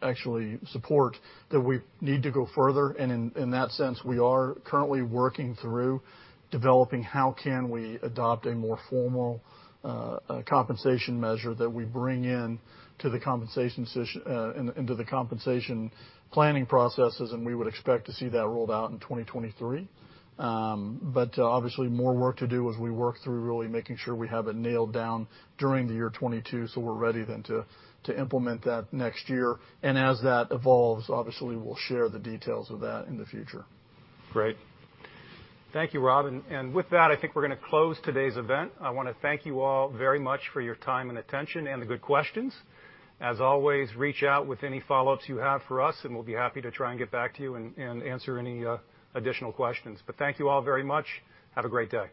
actually support that we need to go further. In that sense, we are currently working through developing how can we adopt a more formal compensation measure that we bring in to the compensation into the compensation planning processes, and we would expect to see that rolled out in 2023. Obviously more work to do as we work through really making sure we have it nailed down during the year 2022, so we're ready then to implement that next year. As that evolves, obviously we'll share the details of that in the future. Great. Thank you, Rob. With that, I think we're gonna close today's event. I wanna thank you all very much for your time and attention and the good questions. As always, reach out with any follow-ups you have for us, and we'll be happy to try and get back to you and answer any additional questions. Thank you all very much. Have a great day.